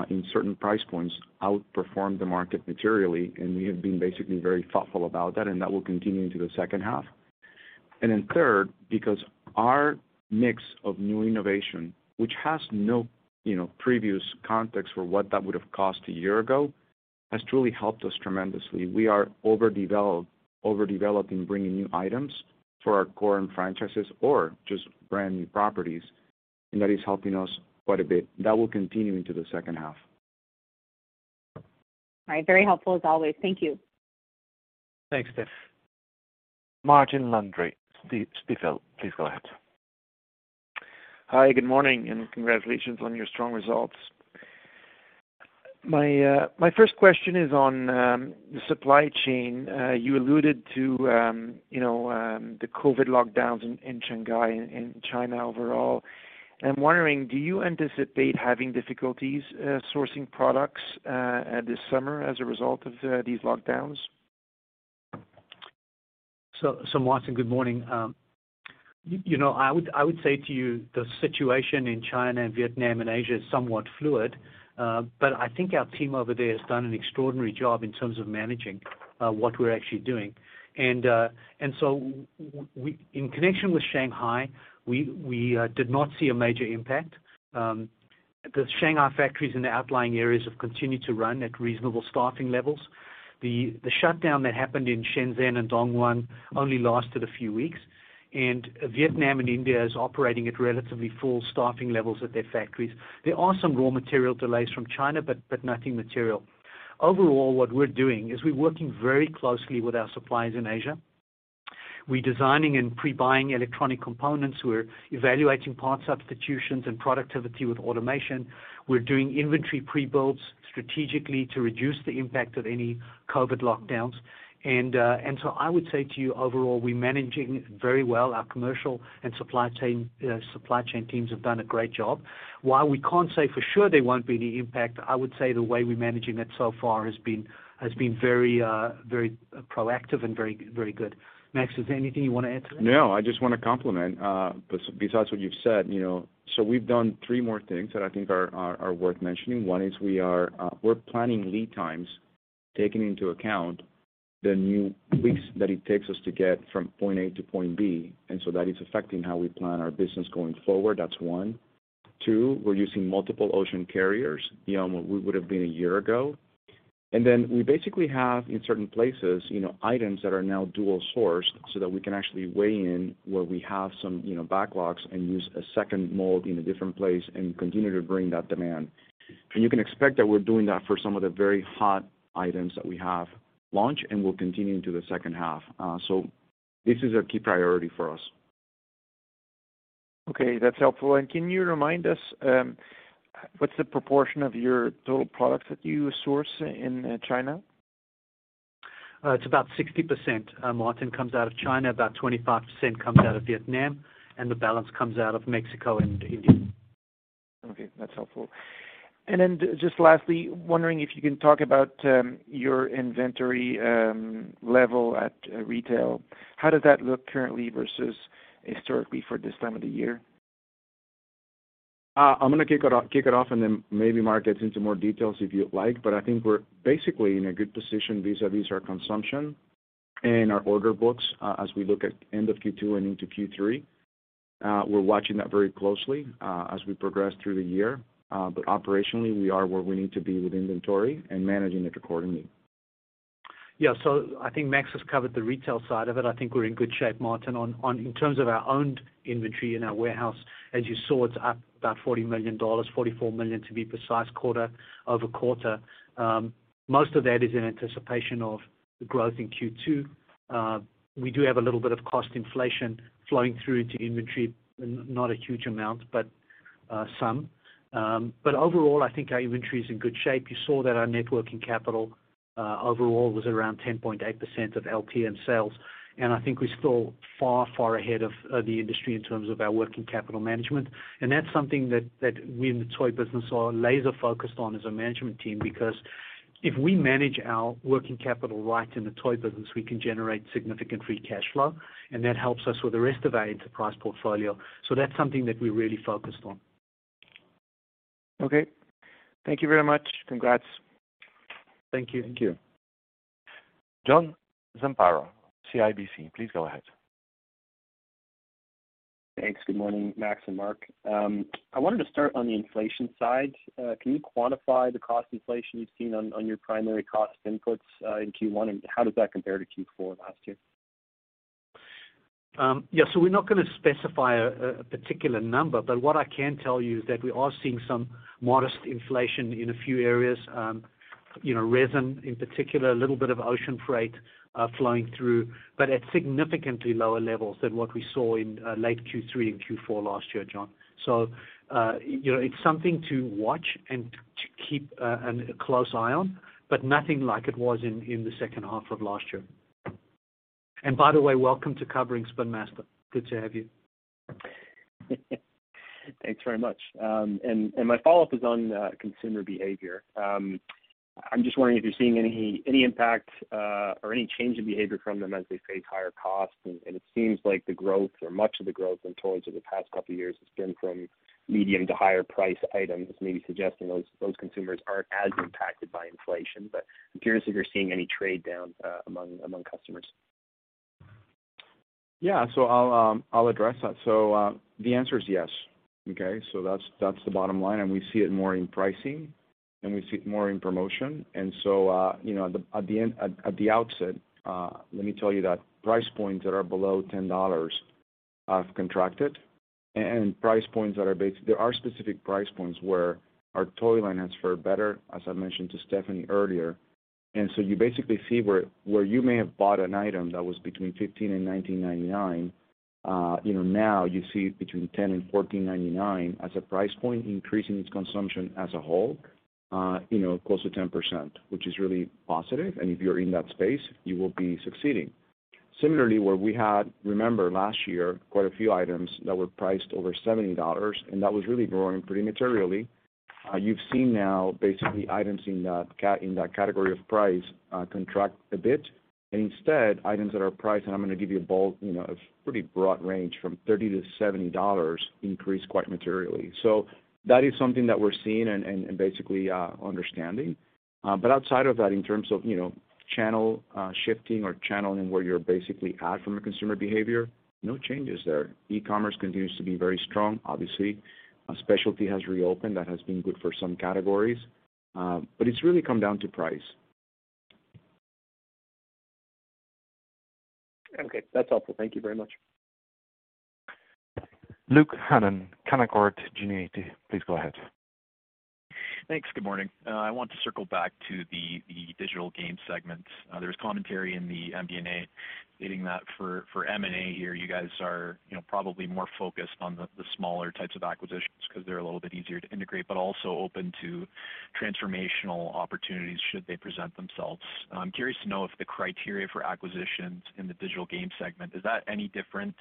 [SPEAKER 3] in certain price points, outperformed the market materially, and we have been basically very thoughtful about that, and that will continue into the second half. Third, because our mix of new innovation, which has no, you know, previous context for what that would have cost a year ago, has truly helped us tremendously. We are overdeveloping bringing new items for our core and franchises or just brand new properties, and that is helping us quite a bit. That will continue into the second half.
[SPEAKER 7] All right. Very helpful as always. Thank you.
[SPEAKER 4] Thanks, Steph.
[SPEAKER 1] Martin Landry, Stifel. Please go ahead.
[SPEAKER 8] Hi, good morning, and congratulations on your strong results. My first question is on the supply chain. You alluded to, you know, the COVID lockdowns in Shanghai and China overall. I'm wondering, do you anticipate having difficulties sourcing products this summer as a result of these lockdowns?
[SPEAKER 4] Martin, good morning. I would say to you the situation in China and Vietnam and Asia is somewhat fluid. I think our team over there has done an extraordinary job in terms of managing what we're actually doing. In connection with Shanghai, we did not see a major impact. The Shanghai factories in the outlying areas have continued to run at reasonable staffing levels. The shutdown that happened in Shenzhen and Dongguan only lasted a few weeks. Vietnam and India is operating at relatively full staffing levels at their factories. There are some raw material delays from China, but nothing material. Overall, what we're doing is we're working very closely with our suppliers in Asia. We're designing and pre-buying electronic components. We're evaluating part substitutions and productivity with automation. We're doing inventory pre-builds strategically to reduce the impact of any COVID lockdowns. I would say to you, overall, we're managing very well. Our commercial and supply chain teams have done a great job. While we can't say for sure there won't be any impact, I would say the way we're managing it so far has been very proactive and very good. Max, is there anything you wanna add to that?
[SPEAKER 3] No, I just wanna complement besides what you've said, you know. We've done three more things that I think are worth mentioning. One is we're planning lead times, taking into account the new weeks that it takes us to get from point A to point B. That is affecting how we plan our business going forward. That's one. Two, we're using multiple ocean carriers beyond what we would have been a year ago. Then we basically have, in certain places, you know, items that are now dual-sourced so that we can actually weigh in where we have some, you know, backlogs and use a second mold in a different place and continue to bring that demand. You can expect that we're doing that for some of the very hot items that we have launched, and we'll continue into H2. This is a key priority for us.
[SPEAKER 8] Okay, that's helpful. Can you remind us, what's the proportion of your total products that you source in China?
[SPEAKER 4] It's about 60%, Martin, comes out of China. About 25% comes out of Vietnam, and the balance comes out of Mexico and India.
[SPEAKER 8] Okay, that's helpful. Just lastly, wondering if you can talk about your inventory level at retail. How does that look currently versus historically for this time of the year?
[SPEAKER 3] I'm gonna kick it off and then maybe Mark gets into more details if you'd like. I think we're basically in a good position vis-à-vis our consumption and our order books, as we look at end of Q2 and into Q3. We're watching that very closely, as we progress through the year. Operationally, we are where we need to be with inventory and managing it accordingly.
[SPEAKER 4] I think Max has covered the retail side of it. I think we're in good shape, Martin, in terms of our owned inventory in our warehouse. As you saw, it's up about $40 million, $44 million to be precise, quarter-over-quarter. Most of that is in anticipation of the growth in Q2. We do have a little bit of cost inflation flowing through to inventory, not a huge amount, but some. But overall, I think our inventory is in good shape. You saw that our net working capital overall was around 10.8% of LTM sales. I think we're still far ahead of the industry in terms of our working capital management. That's something that we in the toy business are laser-focused on as a management team because if we manage our working capital right in the toy business, we can generate significant free cash flow, and that helps us with the rest of our enterprise portfolio. That's something that we're really focused on.
[SPEAKER 8] Okay. Thank you very much. Congrats.
[SPEAKER 3] Thank you.
[SPEAKER 4] Thank you.
[SPEAKER 1] John Zamparo, CIBC, please go ahead.
[SPEAKER 9] Thanks. Good morning, Max and Mark. I wanted to start on the inflation side. Can you quantify the cost inflation you've seen on your primary cost inputs in Q1, and how does that compare to Q4 last year?
[SPEAKER 4] Yeah, we're not gonna specify a particular number, but what I can tell you is that we are seeing some modest inflation in a few areas. You know, resin in particular, a little bit of ocean freight flowing through, but at significantly lower levels than what we saw in late Q3 and Q4 last year, John. You know, it's something to watch and to keep a close eye on, but nothing like it was in H2 of last year. By the way, welcome to covering Spin Master. Good to have you.
[SPEAKER 9] Thanks very much. My follow-up is on consumer behavior. I'm just wondering if you're seeing any impact or any change in behavior from them as they face higher costs. It seems like the growth or much of the growth in toys over the past couple of years has been from medium to higher priced items, maybe suggesting those consumers aren't as impacted by inflation. I'm curious if you're seeing any trade downs among customers.
[SPEAKER 3] Yeah. I'll address that. The answer is yes. Okay. That's the bottom line, and we see it more in pricing, and we see it more in promotion. You know, at the outset, let me tell you that price points that are below $10 have contracted, and there are specific price points where our toy line has fared better, as I mentioned to Stephanie earlier. You basically see where you may have bought an item that was between $15 and $19.99, you know, now you see between $10 and $14.99 as a price point increasing its consumption as a whole, you know, close to 10%, which is really positive. If you're in that space, you will be succeeding. Similarly, where we had, remember last year, quite a few items that were priced over $70, and that was really growing pretty materially. You've seen now basically items in that category of price contract a bit, and instead items that are priced, and I'm gonna give you a broad, you know, a pretty broad range from $30-$70 increase quite materially. That is something that we're seeing and basically understanding. But outside of that, in terms of channel shifting or channeling where you're basically at from a consumer behavior, no changes there. E-commerce continues to be very strong, obviously. Specialty has reopened. That has been good for some categories, but it's really come down to price.
[SPEAKER 9] Okay. That's helpful. Thank you very much.
[SPEAKER 1] Luke Hannan, Canaccord Genuity, please go ahead.
[SPEAKER 10] Thanks. Good morning. I want to circle back to the digital game segment. There was commentary in the MD&A stating that for M&A here, you guys are, you know, probably more focused on the smaller types of acquisitions because they're a little bit easier to integrate, but also open to transformational opportunities should they present themselves. I'm curious to know if the criteria for acquisitions in the digital game segment is any different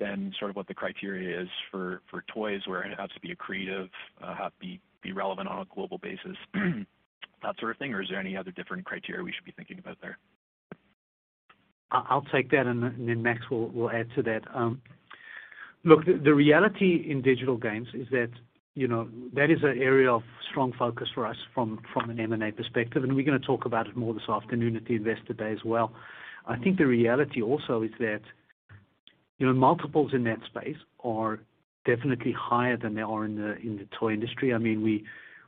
[SPEAKER 10] than sort of what the criteria is for toys, where it has to be creative, be relevant on a global basis, that sort of thing? Or is there any other different criteria we should be thinking about there?
[SPEAKER 4] I'll take that and then Max will add to that. Look, the reality in digital games is that, you know, that is an area of strong focus for us from an M&A perspective, and we're gonna talk about it more this afternoon at the Investor Day as well. I think the reality also is that, you know, multiples in that space are definitely higher than they are in the toy industry. I mean,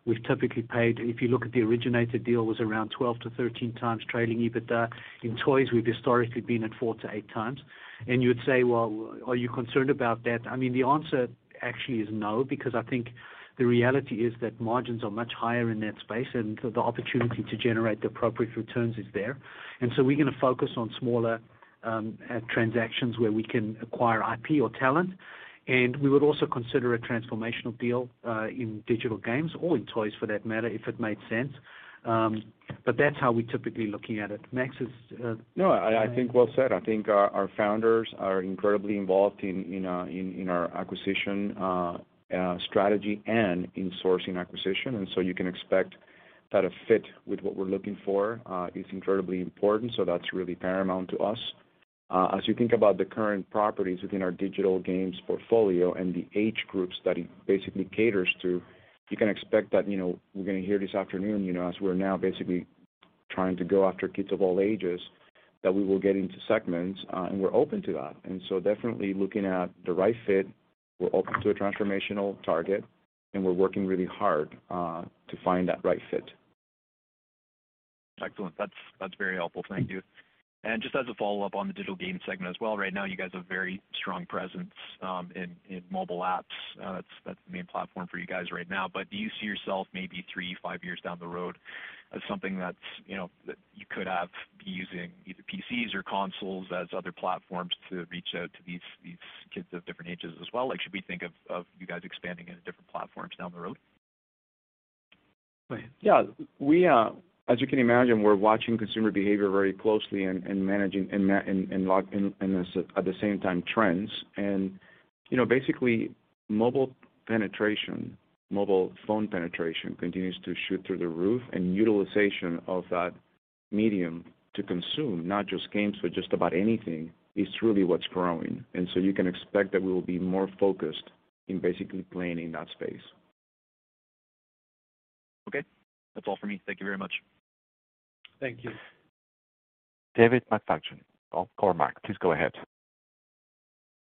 [SPEAKER 4] we've typically paid. If you look at the Originator deal, was around 12-13x trailing EBITDA. In toys, we've historically been at 4-8x. You would say, Well, are you concerned about that? I mean, the answer actually is no, because I think the reality is that margins are much higher in that space, and so the opportunity to generate the appropriate returns is there. We're gonna focus on smaller transactions where we can acquire IP or talent, and we would also consider a transformational deal in digital games or in toys for that matter, if it made sense. But that's how we're typically looking at it. Max is
[SPEAKER 3] No, I think well said. I think our founders are incredibly involved in, you know, in our acquisition strategy and in sourcing acquisition, and so you can expect that a fit with what we're looking for is incredibly important. So that's really paramount to us. As you think about the current properties within our digital games portfolio and the age groups that it basically caters to, you can expect that, you know, we're gonna hear this afternoon, you know, as we're now basically trying to go after kids of all ages, that we will get into segments and we're open to that. Definitely looking at the right fit. We're open to a transformational target, and we're working really hard to find that right fit.
[SPEAKER 10] Excellent. That's very helpful. Thank you. Just as a follow-up on the digital game segment as well, right now you guys have very strong presence in mobile apps. That's the main platform for you guys right now. Do you see yourself maybe 3-5 years down the road as something, you know, that you could have using either PCs or consoles as other platforms to reach out to these kids of different ages as well? Like, should we think of you guys expanding into different platforms down the road?
[SPEAKER 4] Go ahead.
[SPEAKER 3] Yeah. We, as you can imagine, we're watching consumer behavior very closely and managing and at the same time trends. You know, basically mobile penetration, mobile phone penetration continues to shoot through the roof, and utilization of that medium to consume not just games, but just about anything is truly what's growing. You can expect that we will be more focused in basically playing in that space.
[SPEAKER 10] Okay. That's all for me. Thank you very much.
[SPEAKER 4] Thank you.
[SPEAKER 1] David McFadgen of Cormark, please go ahead.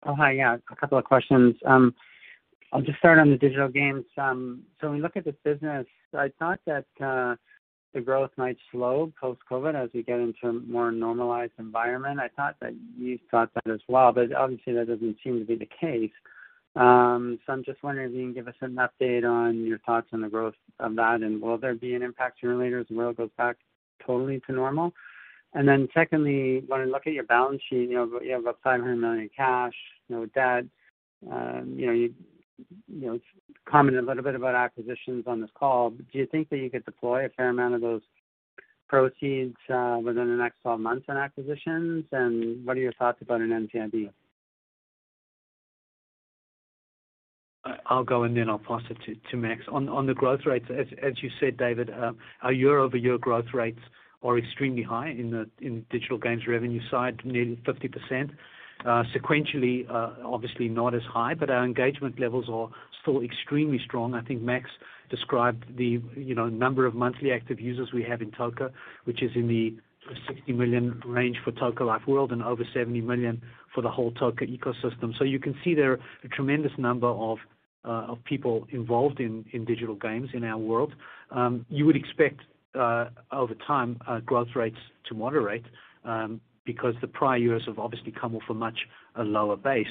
[SPEAKER 11] Oh, hi. Yeah, a couple of questions. I'll just start on the digital games. When you look at the business, I thought that, the growth might slow post-COVID as we get into a more normalized environment. I thought that you thought that as well, but obviously, that doesn't seem to be the case. I'm just wondering if you can give us an update on your thoughts on the growth of that, and will there be an impact sooner or later as the world goes back totally to normal? Secondly, when I look at your balance sheet, you know, you have about $500 million in cash, no debt. You know, commented a little bit about acquisitions on this call. Do you think that you could deploy a fair amount of those proceeds within the next 12 months on acquisitions? What are your thoughts about an M&A deal?
[SPEAKER 4] I'll go and then I'll pass it to Max. On the growth rates, as you said, David, our year-over-year growth rates are extremely high in the digital games revenue side, nearly 50%. Sequentially, obviously not as high, but our engagement levels are still extremely strong. I think Max described the, you know, number of monthly active users we have in Toca, which is in the 60 million range for Toca Life World and over 70 million for the whole Toca ecosystem. So you can see there are a tremendous number of people involved in digital games in our world. You would expect, over time, growth rates to moderate, because the prior years have obviously come off a much lower base.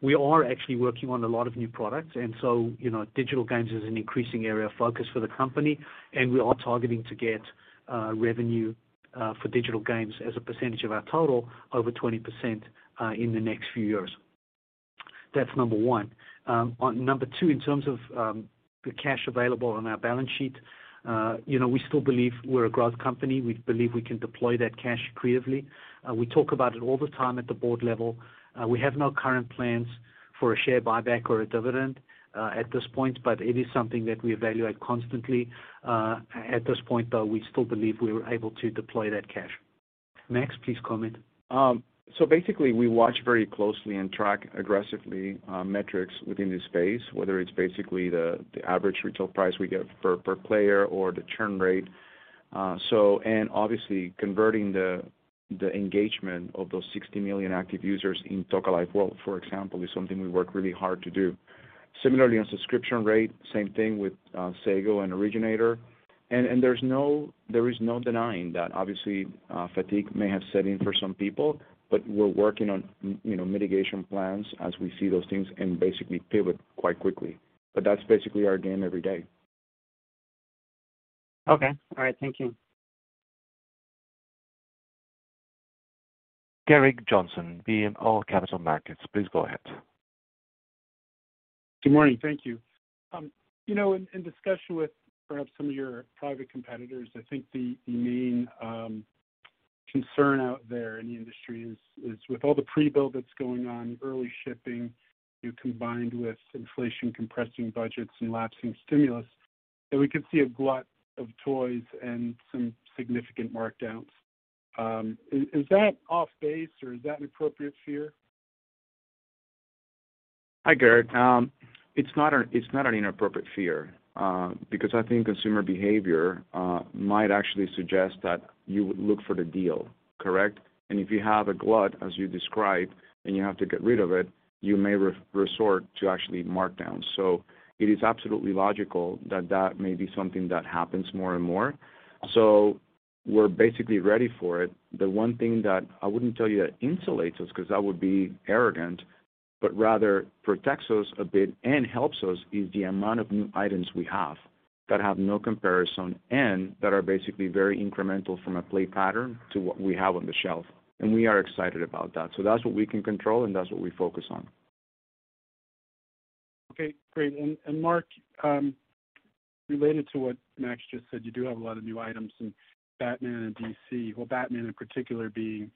[SPEAKER 4] We are actually working on a lot of new products, and so, you know, digital games is an increasing area of focus for the company, and we are targeting to get revenue for digital games as a percentage of our total over 20% in the next few years. That's number one. On number two, in terms of the cash available on our balance sheet, you know, we still believe we're a growth company. We believe we can deploy that cash creatively. We talk about it all the time at the board level. We have no current plans for a share buyback or a dividend at this point, but it is something that we evaluate constantly. At this point, though, we still believe we were able to deploy that cash. Max, please comment.
[SPEAKER 3] Basically, we watch very closely and track aggressively metrics within this space, whether it's basically the average retail price we get per player or the churn rate. Obviously converting the engagement of those 60 million active users in Toca Life World, for example, is something we work really hard to do. Similarly, on subscription rate, same thing with Sago and Originator. There's no denying that obviously fatigue may have set in for some people, but we're working on mitigation plans as we see those things and basically pivot quite quickly. That's basically our game every day.
[SPEAKER 12] Okay. All right. Thank you.
[SPEAKER 1] Gerrick Johnson, BMO Capital Markets. Please go ahead.
[SPEAKER 13] Good morning. Thank you. You know, in discussion with perhaps some of your private competitors, I think the main concern out there in the industry is with all the pre-build that's going on, early shipping combined with inflation compressing budgets and lapsing stimulus, that we could see a glut of toys and some significant markdowns. Is that off base or is that an appropriate fear?
[SPEAKER 3] Hi, Gerrick. It's not an inappropriate fear, because I think consumer behavior might actually suggest that you would look for the deal, correct? If you have a glut, as you described, and you have to get rid of it, you may resort to actually markdown. It is absolutely logical that that may be something that happens more and more. We're basically ready for it. The one thing that I wouldn't tell you that insulates us because that would be arrogant, but rather protects us a bit and helps us is the amount of new items we have that have no comparison and that are basically very incremental from a play pattern to what we have on the shelf. We are excited about that. That's what we can control and that's what we focus on.
[SPEAKER 13] Okay, great. Mark, related to what Max just said, you do have a lot of new items in Batman and DC. Well, Batman in particular being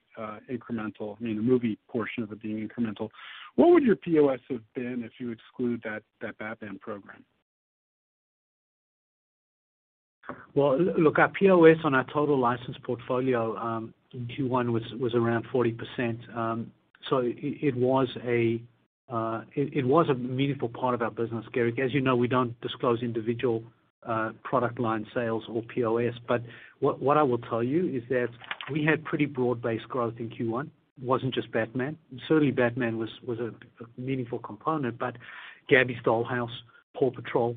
[SPEAKER 13] incremental, I mean, the movie portion of it being incremental. What would your POS have been if you exclude that Batman program?
[SPEAKER 4] Well, look, our POS on our total license portfolio in Q1 was around 40%. It was a meaningful part of our business, Gerrick. As you know, we don't disclose individual product line sales or POS. What I will tell you is that we had pretty broad-based growth in Q1. It wasn't just Batman. Certainly Batman was a meaningful component, but Gabby's Dollhouse, PAW Patrol,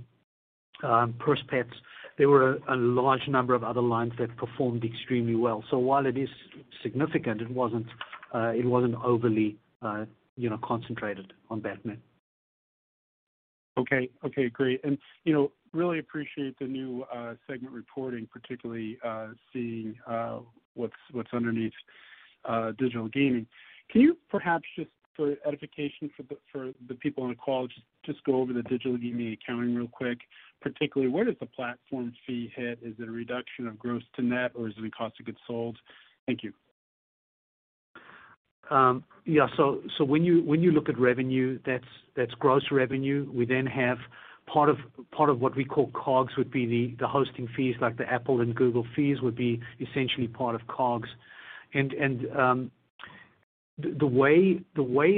[SPEAKER 4] Purse Pets, there were a large number of other lines that performed extremely well. While it is significant, it wasn't overly you know concentrated on Batman.
[SPEAKER 13] Okay, great. You know, really appreciate the new segment reporting, particularly seeing what's underneath digital gaming. Can you perhaps just for edification for the people on the call go over the digital gaming accounting real quick? Particularly, where does the platform fee hit? Is it a reduction of gross to net or is it a cost of goods sold? Thank you.
[SPEAKER 4] Yeah. When you look at revenue, that's gross revenue. We then have part of what we call COGS would be the hosting fees like the Apple and Google fees would be essentially part of COGS. The way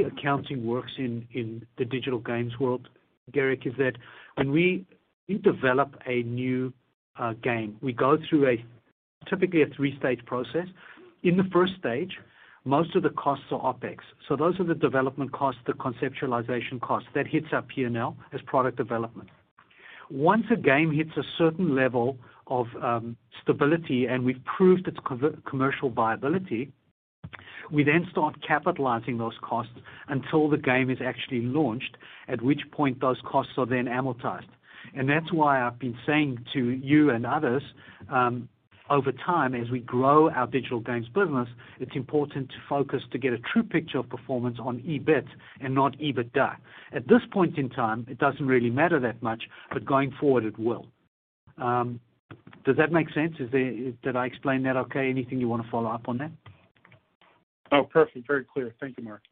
[SPEAKER 4] accounting works in the digital games world, Garrick, is that when we develop a new game, we go through typically a three-stage process. In the first stage, most of the costs are OpEx. Those are the development costs, the conceptualization costs. That hits our P&L as product development. Once a game hits a certain level of stability and we've proved its commercial viability, we then start capitalizing those costs until the game is actually launched, at which point those costs are then amortized. That's why I've been saying to you and others, over time, as we grow our digital games business, it's important to focus to get a true picture of performance on EBIT and not EBITDA. At this point in time, it doesn't really matter that much, but going forward it will. Does that make sense? Did I explain that okay? Anything you wanna follow up on that?
[SPEAKER 14] Oh, perfect. Very clear. Thank you, Mark.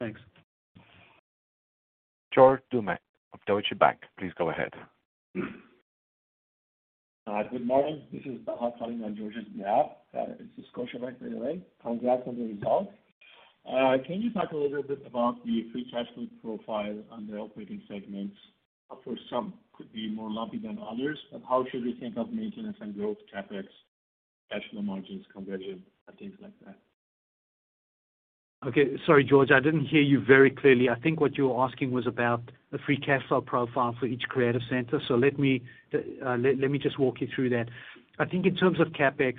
[SPEAKER 14] Thanks.
[SPEAKER 1] George Doumet of Deutsche Bank, please go ahead.
[SPEAKER 15] Good morning. This is George calling on George's behalf. It's Scotiabank, by the way. Congrats on the results. Can you talk a little bit about the free cash flow profile on the operating segments? Of course, some could be more lumpy than others. How should we think of maintenance and growth, CapEx, cash flow margins conversion and things like that?
[SPEAKER 4] Okay. Sorry, George, I didn't hear you very clearly. I think what you were asking was about the free cash flow profile for each creative center. Let me just walk you through that. I think in terms of CapEx,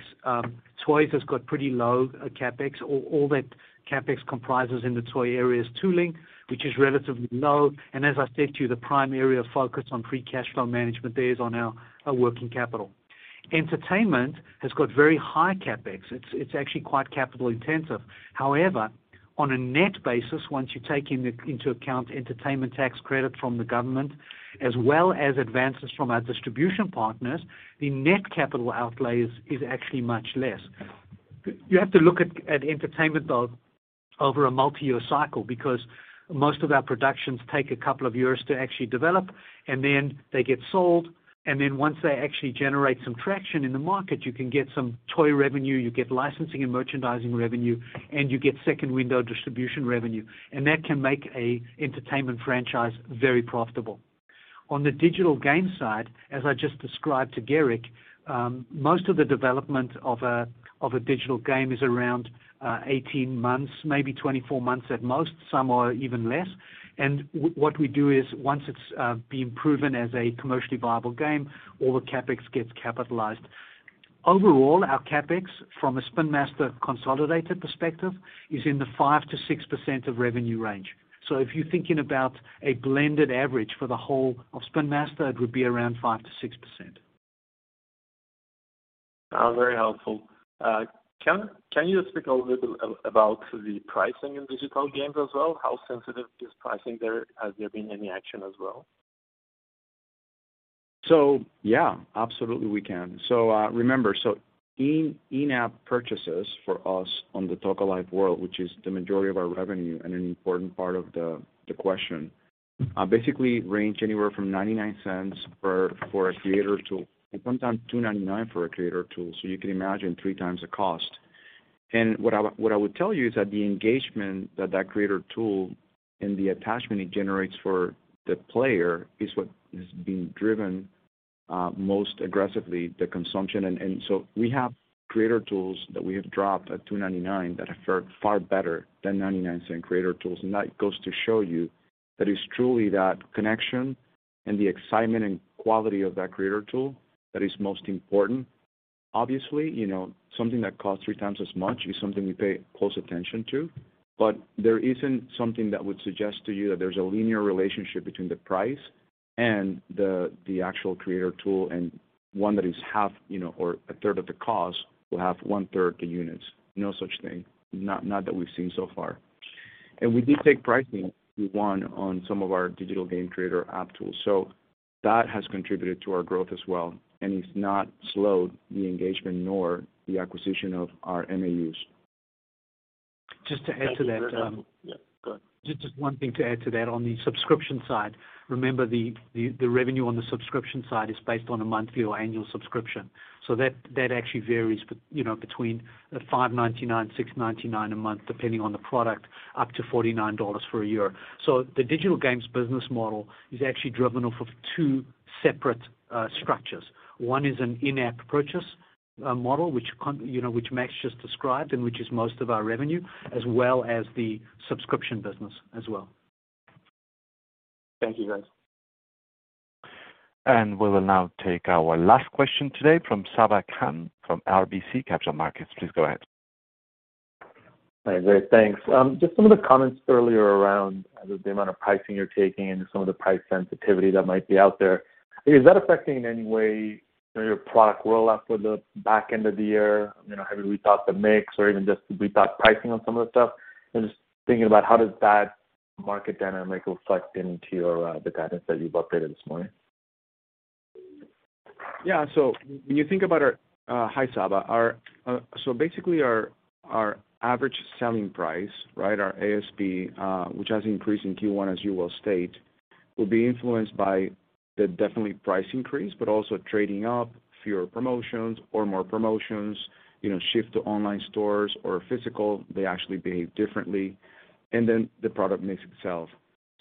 [SPEAKER 4] toys has got pretty low CapEx. All that CapEx comprises in the toy area is tooling, which is relatively low. And as I said to you, the prime area of focus on free cash flow management there is on our working capital. Entertainment has got very high CapEx. It's actually quite capital intensive. However, on a net basis, once you take into account entertainment tax credit from the government as well as advances from our distribution partners, the net capital outlays is actually much less. You have to look at entertainment, though, over a multi-year cycle because most of our productions take a couple of years to actually develop, and then they get sold. Then once they actually generate some traction in the market, you can get some toy revenue, you get licensing and merchandising revenue, and you get second window distribution revenue, and that can make an entertainment franchise very profitable. On the digital game side, as I just described to Gerrick, most of the development of a digital game is around 18 months, maybe 24 months at most. Some are even less. What we do is once it's been proven as a commercially viable game, all the CapEx gets capitalized. Overall, our CapEx from a Spin Master consolidated perspective is in the 5%-6% of revenue range. If you're thinking about a blended average for the whole of Spin Master, it would be around 5%-6%.
[SPEAKER 15] Very helpful. Can you speak a little bit about the pricing in digital games as well? How sensitive is pricing there? Has there been any action as well?
[SPEAKER 3] Yeah, absolutely we can. Remember, in-app purchases for us on the Toca Life World, which is the majority of our revenue and an important part of the question, basically range anywhere from $0.99 for a creator tool. It went on to $2.99 for a creator tool, so you can imagine three times the cost. What I would tell you is that the engagement that creator tool and the attachment it generates for the player is what is being driven most aggressively the consumption. We have creator tools that we have dropped at $2.99 that are far, far better than $0.99 creator tools. That goes to show you that it's truly that connection and the excitement and quality of that creator tool that is most important. Obviously, you know, something that costs three times as much is something we pay close attention to, but there isn't something that would suggest to you that there's a linear relationship between the price and the actual creator tool and one that is half, you know, or a third of the cost will have one-third the units. No such thing. Not that we've seen so far. We did take pricing. We won on some of our digital game creator app tools. That has contributed to our growth as well and it's not slowed the engagement nor the acquisition of our MAUs.
[SPEAKER 4] Just to add to that.
[SPEAKER 15] Yeah. Go ahead.
[SPEAKER 4] Just one thing to add to that. On the subscription side, remember the revenue on the subscription side is based on a monthly or annual subscription. That actually varies you know, between $5.99-$6.99 a month, depending on the product, up to $49 for a year. The digital games business model is actually driven off of two separate structures. One is an in-app purchase model, which you know, which Max just described and which is most of our revenue, as well as the subscription business as well.
[SPEAKER 15] Thank you, guys.
[SPEAKER 1] We will now take our last question today from Sabahat Khan from RBC Capital Markets. Please go ahead.
[SPEAKER 16] Hi, great. Thanks. Just some of the comments earlier around the amount of pricing you're taking and some of the price sensitivity that might be out there. Is that affecting in any way your product rollout for the back end of the year? You know, have you rethought the mix or even just rethought pricing on some of the stuff? I'm just thinking about how does that market dynamic reflect into your, the guidance that you've updated this morning.
[SPEAKER 3] Hi, Saba. When you think about our average selling price, right, our ASP, which has increased in Q1, as you well state, will be influenced by the definite price increase, but also trading up, fewer promotions or more promotions, you know, shift to online stores or physical, they actually behave differently, and then the product mix itself.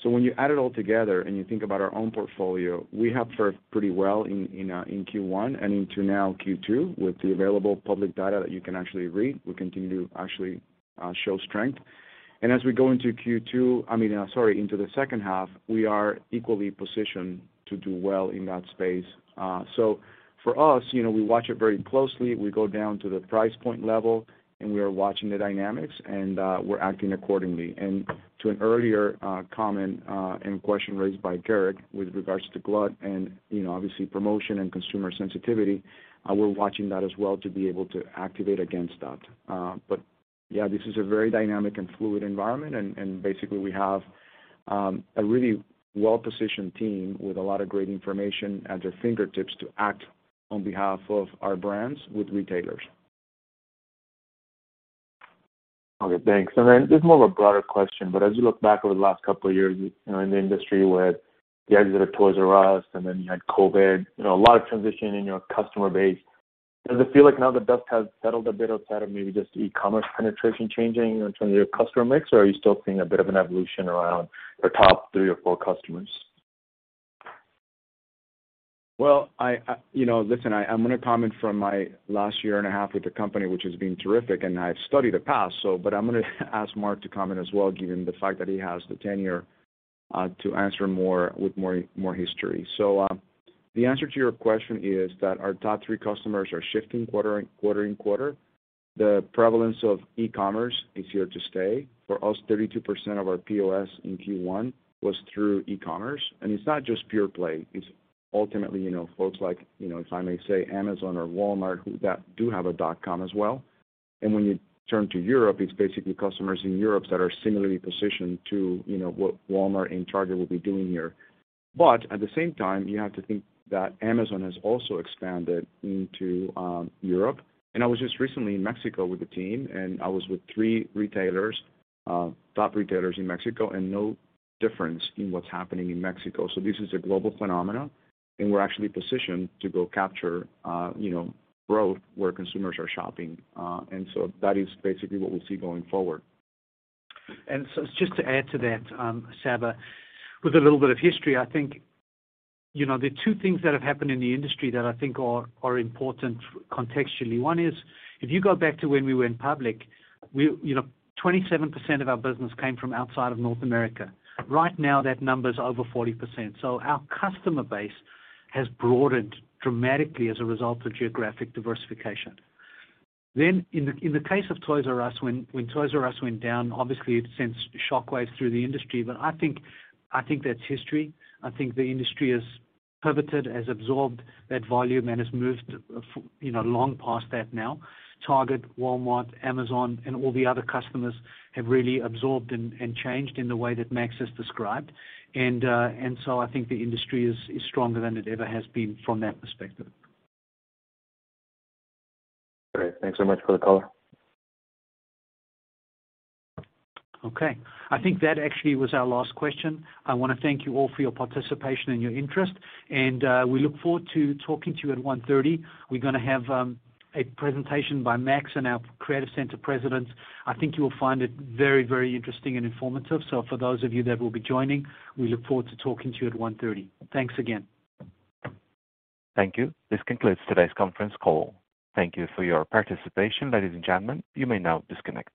[SPEAKER 3] When you add it all together and you think about our own portfolio, we have fared pretty well in Q1 and into Q2 with the available public data that you can actually read. We continue to actually show strength. As we go into the second half, we are equally positioned to do well in that space. For us, you know, we watch it very closely. We go down to the price point level, and we are watching the dynamics and, we're acting accordingly. To an earlier comment and question raised by Gerrick with regards to glut and, you know, obviously promotion and consumer sensitivity, we're watching that as well to be able to activate against that. But yeah, this is a very dynamic and fluid environment and basically we have a really well-positioned team with a lot of great information at their fingertips to act on behalf of our brands with retailers.
[SPEAKER 16] Okay, thanks. This is more of a broader question, but as you look back over the last couple of years, you know, in the industry, where the exit of Toys 'R' Us and then you had COVID, you know, a lot of transition in your customer base. Does it feel like now the dust has settled a bit outside of maybe just e-commerce penetration changing in terms of your customer mix, or are you still seeing a bit of an evolution around your top three or four customers?
[SPEAKER 3] You know, I'm gonna comment from my last year and a half with the company, which has been terrific, and I've studied the past, I'm gonna ask Mark to comment as well, given the fact that he has the tenure to answer with more history. The answer to your question is that our top three customers are shifting quarter in quarter in quarter. The prevalence of e-commerce is here to stay. For us, 32% of our POS in Q1 was through e-commerce. It's not just pure play, it's ultimately, you know, folks like, you know, if I may say, Amazon or Walmart, who do have a dot com as well. When you turn to Europe, it's basically customers in Europe that are similarly positioned to, you know, what Walmart and Target will be doing here. But at the same time, you have to think that Amazon has also expanded into Europe. I was just recently in Mexico with the team, and I was with three retailers, top retailers in Mexico, and no difference in what's happening in Mexico. This is a global phenomenon, and we're actually positioned to go capture, you know, growth where consumers are shopping. That is basically what we'll see going forward.
[SPEAKER 4] Just to add to that, Saba, with a little bit of history, I think, you know, the two things that have happened in the industry that I think are important contextually. One is if you go back to when we went public, we, you know, 27% of our business came from outside of North America. Right now, that number is over 40%. Our customer base has broadened dramatically as a result of geographic diversification. In the case of Toys Us, when Toys Us went down, obviously it sent shock waves through the industry. I think that's history. I think the industry has pivoted, has absorbed that volume and has moved, you know, long past that now. Target, Walmart, Amazon and all the other customers have really absorbed and changed in the way that Max has described. I think the industry is stronger than it ever has been from that perspective.
[SPEAKER 16] Great. Thanks so much for the color.
[SPEAKER 4] Okay. I think that actually was our last question. I wanna thank you all for your participation and your interest, and we look forward to talking to you at 1:30. We're gonna have a presentation by Max and our creative center presidents. I think you will find it very, very interesting and informative. For those of you that will be joining, we look forward to talking to you at 1:30. Thanks again.
[SPEAKER 1] Thank you. This concludes today's conference call. Thank you for your participation. Ladies and gentlemen, you may now disconnect.